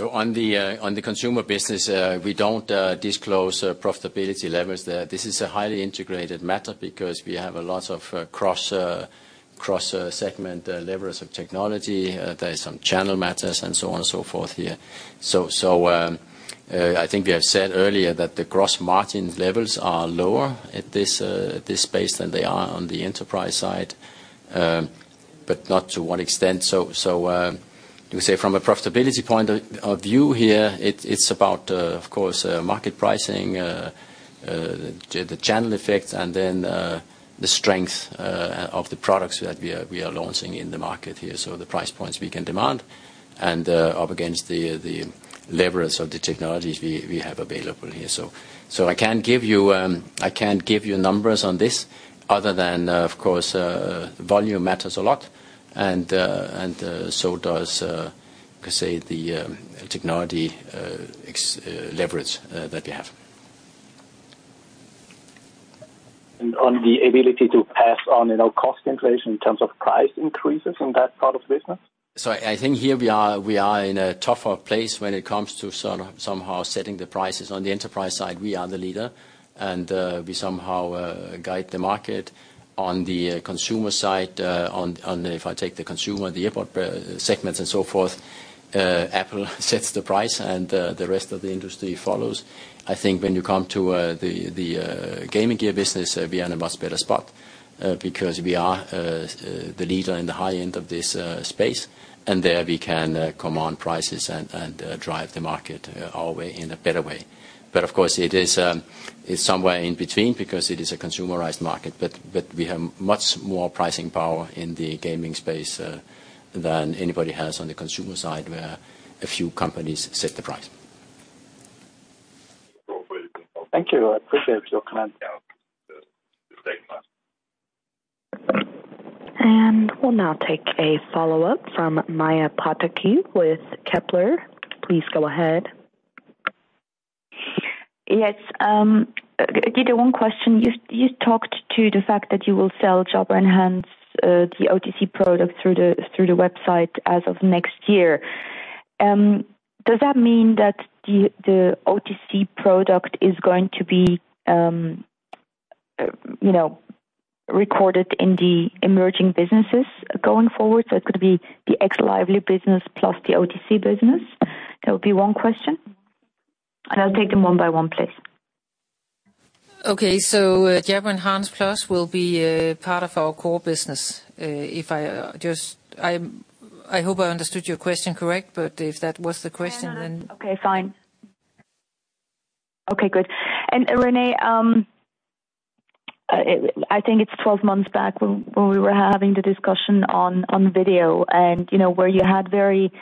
On the Consumer business, we don't disclose profitability levels there. This is a highly integrated matter because we have a lot of cross-segment levers of technology. There is some channel matters and so on and so forth here. I think we have said earlier that the gross margin levels are lower at this space than they are on the Enterprise side, but not to what extent. You say from a profitability point of view here, it's about, of course, market pricing, the channel effects and then the strength of the products that we are launching in the market here. The price points we can demand and up against the levers of the technologies we have available here. I can give you numbers on this other than, of course, volume matters a lot and so does, say, the technology leverage that we have. On the ability to pass on, you know, cost inflation in terms of price increases in that part of the business? I think here we are in a tougher place when it comes to sort of somehow setting the prices. On the Enterprise side, we are the leader, and we somehow guide the market. On the Consumer side, on the, if I take the Consumer, the AirPods segments and so forth, Apple sets the price and the rest of the industry follows. I think when you come to the gaming gear business, we are in a much better spot because we are the leader in the high end of this space. There we can command prices and drive the market our way, in a better way. Of course it is, it's somewhere in between because it is a consumerized market. We have much more pricing power in the gaming space than anybody has on the Consumer side, where a few companies set the price. Thank you. I appreciate your comment. We'll now take a follow-up from Maja Pataki with Kepler. Please go ahead. Yes. Gitte, one question. You talked about the fact that you will sell Jabra Enhance, the OTC product through the website as of next year. Does that mean that the OTC product is going to be, you know, recorded in the emerging businesses going forward, so it's gonna be the ex Lively business plus the OTC business? That would be one question. I'll take them one by one, please. Okay. Jabra Enhance Plus will be part of our core business. I hope I understood your question correct, but if that was the question, then- Okay, fine. Okay, good. René, I think it's 12 months back when we were having the discussion on video and, you know, where you had very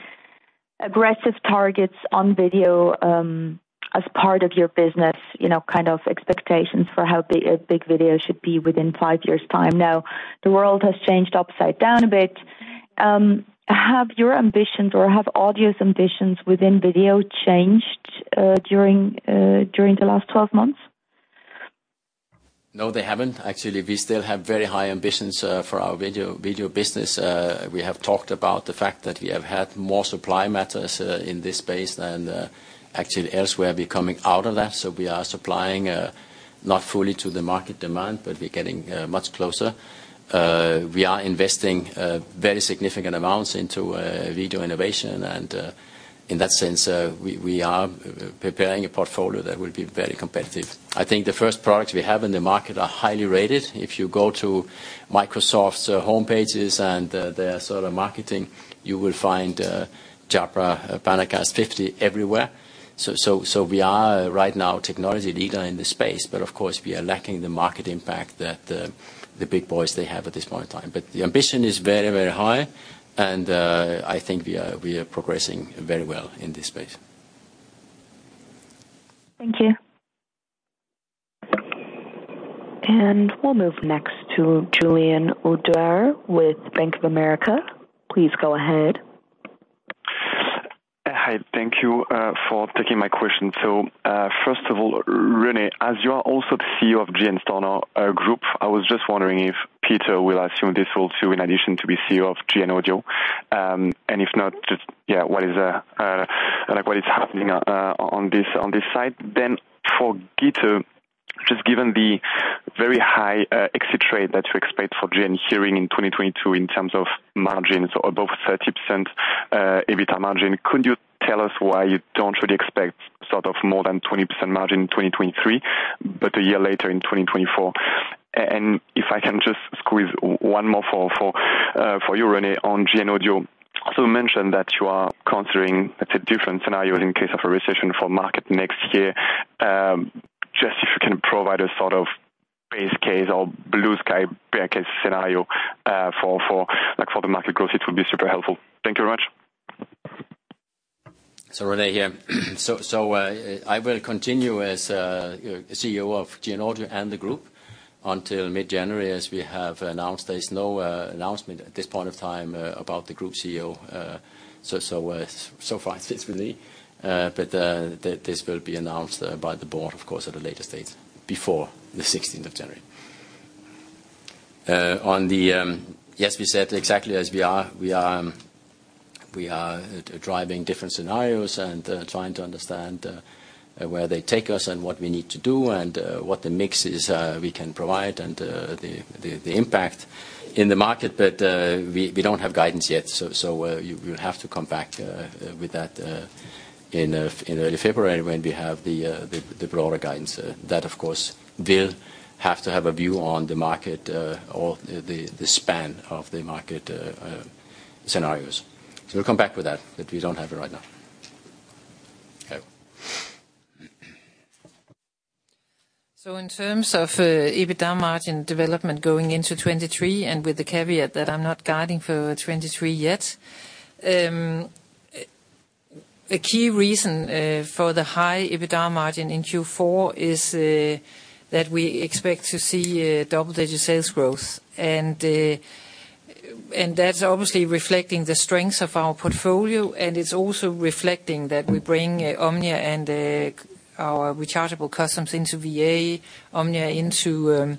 aggressive targets on video as part of your business, you know, kind of expectations for how big video should be within five years' time. Now, the world has changed upside down a bit. Have your ambitions or have Audio's ambitions within video changed during the last 12 months? No, they haven't. Actually, we still have very high ambitions for our video business. We have talked about the fact that we have had more supply matters in this space than actually elsewhere, but coming out of that. We are supplying not fully to the market demand, but we're getting much closer. We are investing very significant amounts into video innovation, and in that sense, we are preparing a portfolio that will be very competitive. I think the first products we have in the market are highly rated. If you go to Microsoft's homepages and their sort of marketing, you will find Jabra PanaCast 50 everywhere. We are right now technology leader in this space, but of course we are lacking the market impact that the big boys they have at this point in time. The ambition is very, very high, and I think we are progressing very well in this space. Thank you. We'll move next to Julien Ouaddour with Bank of America. Please go ahead. Hi. Thank you for taking my question. So, first of all, René, as you are also the CEO of GN Store Nord Group, I was just wondering if Peter will assume this role too in addition to be CEO of GN Audio. And if not, just, yeah, like, what is happening on this side? For Gitte, just given the very high exit rate that you expect for GN Hearing in 2022 in terms of margins, above 30% EBITA margin, could you tell us why you don't really expect sort of more than 20% margin in 2023, but a year later in 2024? And if I can just squeeze one more for you, René, on GN Audio. You mentioned that you are considering different scenarios in case of a recession for market next year. Just if you can provide a sort of base case or blue-sky bear case scenario for the market growth, it will be super helpful. Thank you very much. René here. I will continue as CEO of GN Audio and the Group until mid-January, as we have announced. There's no announcement at this point of time about the Group CEO. So far it sits with me. This will be announced by the board, of course, at a later date before the sixteenth of January. Yes, we said exactly as we are. We are driving different scenarios and trying to understand where they take us and what we need to do and what the mixes we can provide and the impact in the market, but we don't have guidance yet. We'll have to come back with that in early February when we have the broader guidance. That of course will have to have a view on the market or the span of the market scenarios. We'll come back with that, but we don't have it right now. Okay. In terms of EBITDA margin development going into 2023, with the caveat that I'm not guiding for 2023 yet, a key reason for the high EBITDA margin in Q4 is that we expect to see double-digit sales growth. That's obviously reflecting the strengths of our portfolio, and it's also reflecting that we bring OMNIA and our rechargeable customs into VA, OMNIA into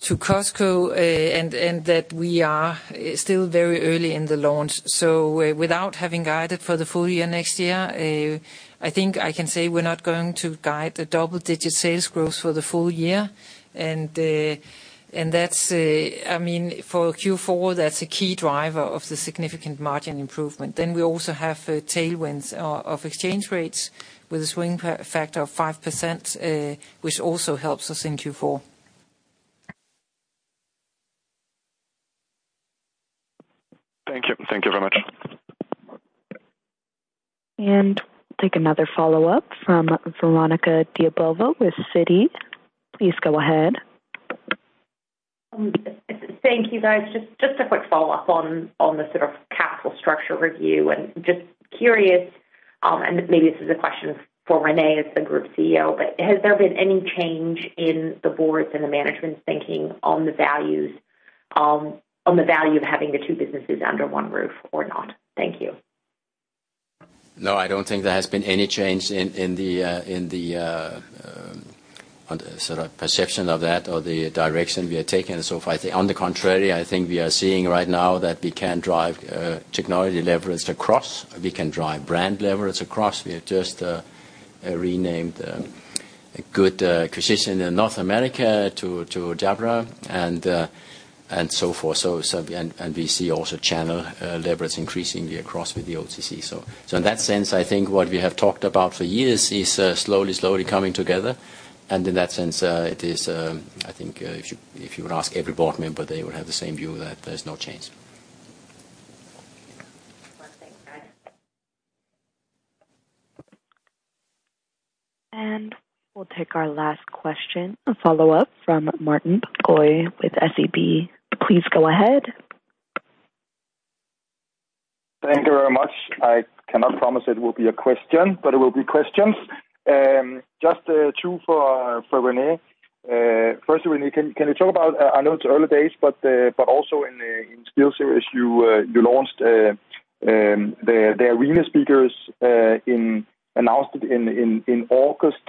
to Costco, and that we are still very early in the launch. Without having guided for the full year next year, I think I can say we're not going to guide the double-digit sales growth for the full year. I mean, for Q4, that's a key driver of the significant margin improvement. We also have tailwinds of exchange rates with a swing factor of 5%, which also helps us in Q4. Thank you. Thank you very much. Take another follow-up from Veronika Dubajova with Citi. Please go ahead. Thank you, guys. Just a quick follow-up on the sort of capital structure review. Just curious, and maybe this is a question for René as the Group CEO, but has there been any change in the board's and the management's thinking on the value of having the two businesses under one roof or not. Thank you. No, I don't think there has been any change in the sort of perception of that or the direction we are taking so far. On the contrary, I think we are seeing right now that we can drive technology leverage across. We can drive brand leverage across. We have just renamed a good acquisition in North America to Jabra and so forth. We see also channel leverage increasingly across with the OTC. In that sense, I think what we have talked about for years is slowly coming together. In that sense, it is, I think, if you would ask every board member, they would have the same view that there's no change. Well, thanks, guys. We'll take our last question, a follow-up from Martin Parkhøi with SEB. Please go ahead. Thank you very much. I cannot promise it will be a question, but it will be questions. Just two for René. First, René, can you talk about, I know it's early days, but also in SteelSeries you launched the Arena speakers. Announced it in August,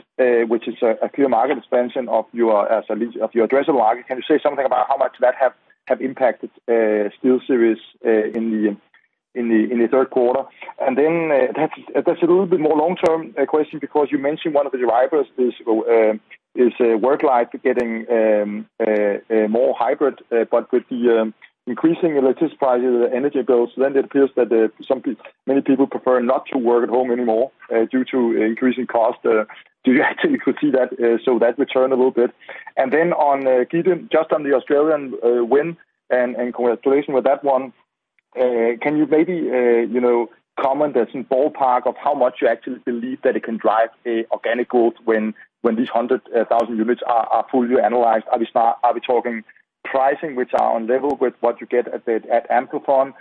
which is a clear market expansion of your so of your addressable market. Can you say something about how much that have impacted SteelSeries in the third quarter? That's a little bit more long-term question because you mentioned one of the drivers is work life getting a more hybrid, but with the increasing electricity, the energy bills, then it appears that many people prefer not to work at home anymore due to increasing costs. Do you actually foresee that so that return a little bit? On Gitte, just on the Australian win, and congratulations with that one. Can you maybe you know comment as in ballpark of how much you actually believe that it can drive a organic growth when these 100,000 units are fully analyzed? Are we talking pricing which are on level with what you get at Amplifon?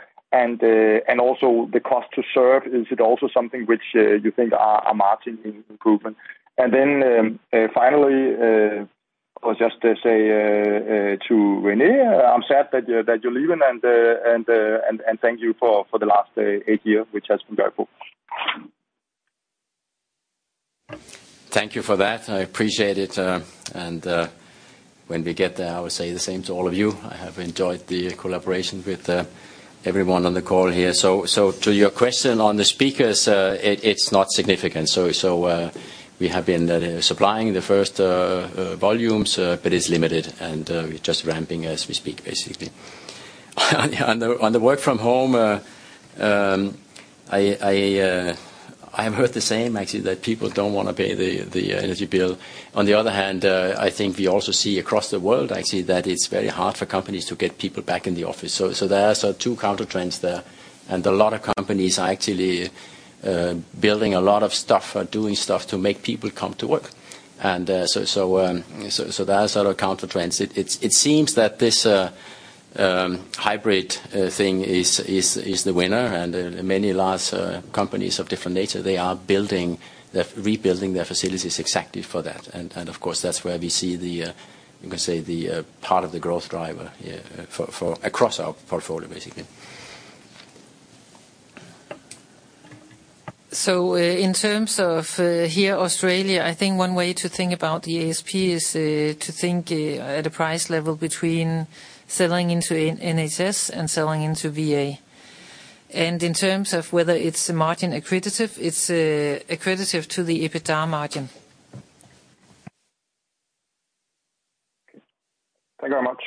Also the cost to serve, is it also something which you think are a margin improvement? Then finally, I'll just say to René, I'm sad that you're leaving and thank you for the last eight years, which has been very full. Thank you for that. I appreciate it. When we get there, I will say the same to all of you. I have enjoyed the collaboration with everyone on the call here. To your question on the speakers, it's not significant. We have been supplying the first volumes, but it's limited, and just ramping as we speak, basically. On the work from home, I have heard the same actually, that people don't wanna pay the energy bill. On the other hand, I think we also see across the world actually, that it's very hard for companies to get people back in the office. There are sort of two counter trends there, and a lot of companies are actually building a lot of stuff or doing stuff to make people come to work. There are sort of counter trends. It seems that this hybrid thing is the winner and many large companies of different nature, they are rebuilding their facilities exactly for that. Of course, that's where we see the, you can say the, part of the growth driver, yeah, for across our portfolio, basically. In terms of Hearing Australia, I think one way to think about the ASP is to think at a price level between selling into NHS and selling into VA. In terms of whether it's margin accretive, it's accretive to the EBITDA margin. Thank you very much.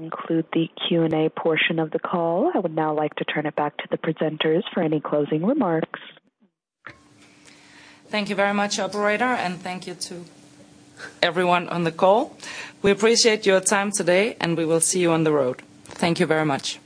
Include the Q&A portion of the call. I would now like to turn it back to the presenters for any closing remarks. Thank you very much, operator, and thank you to everyone on the call. We appreciate your time today, and we will see you on the road. Thank you very much.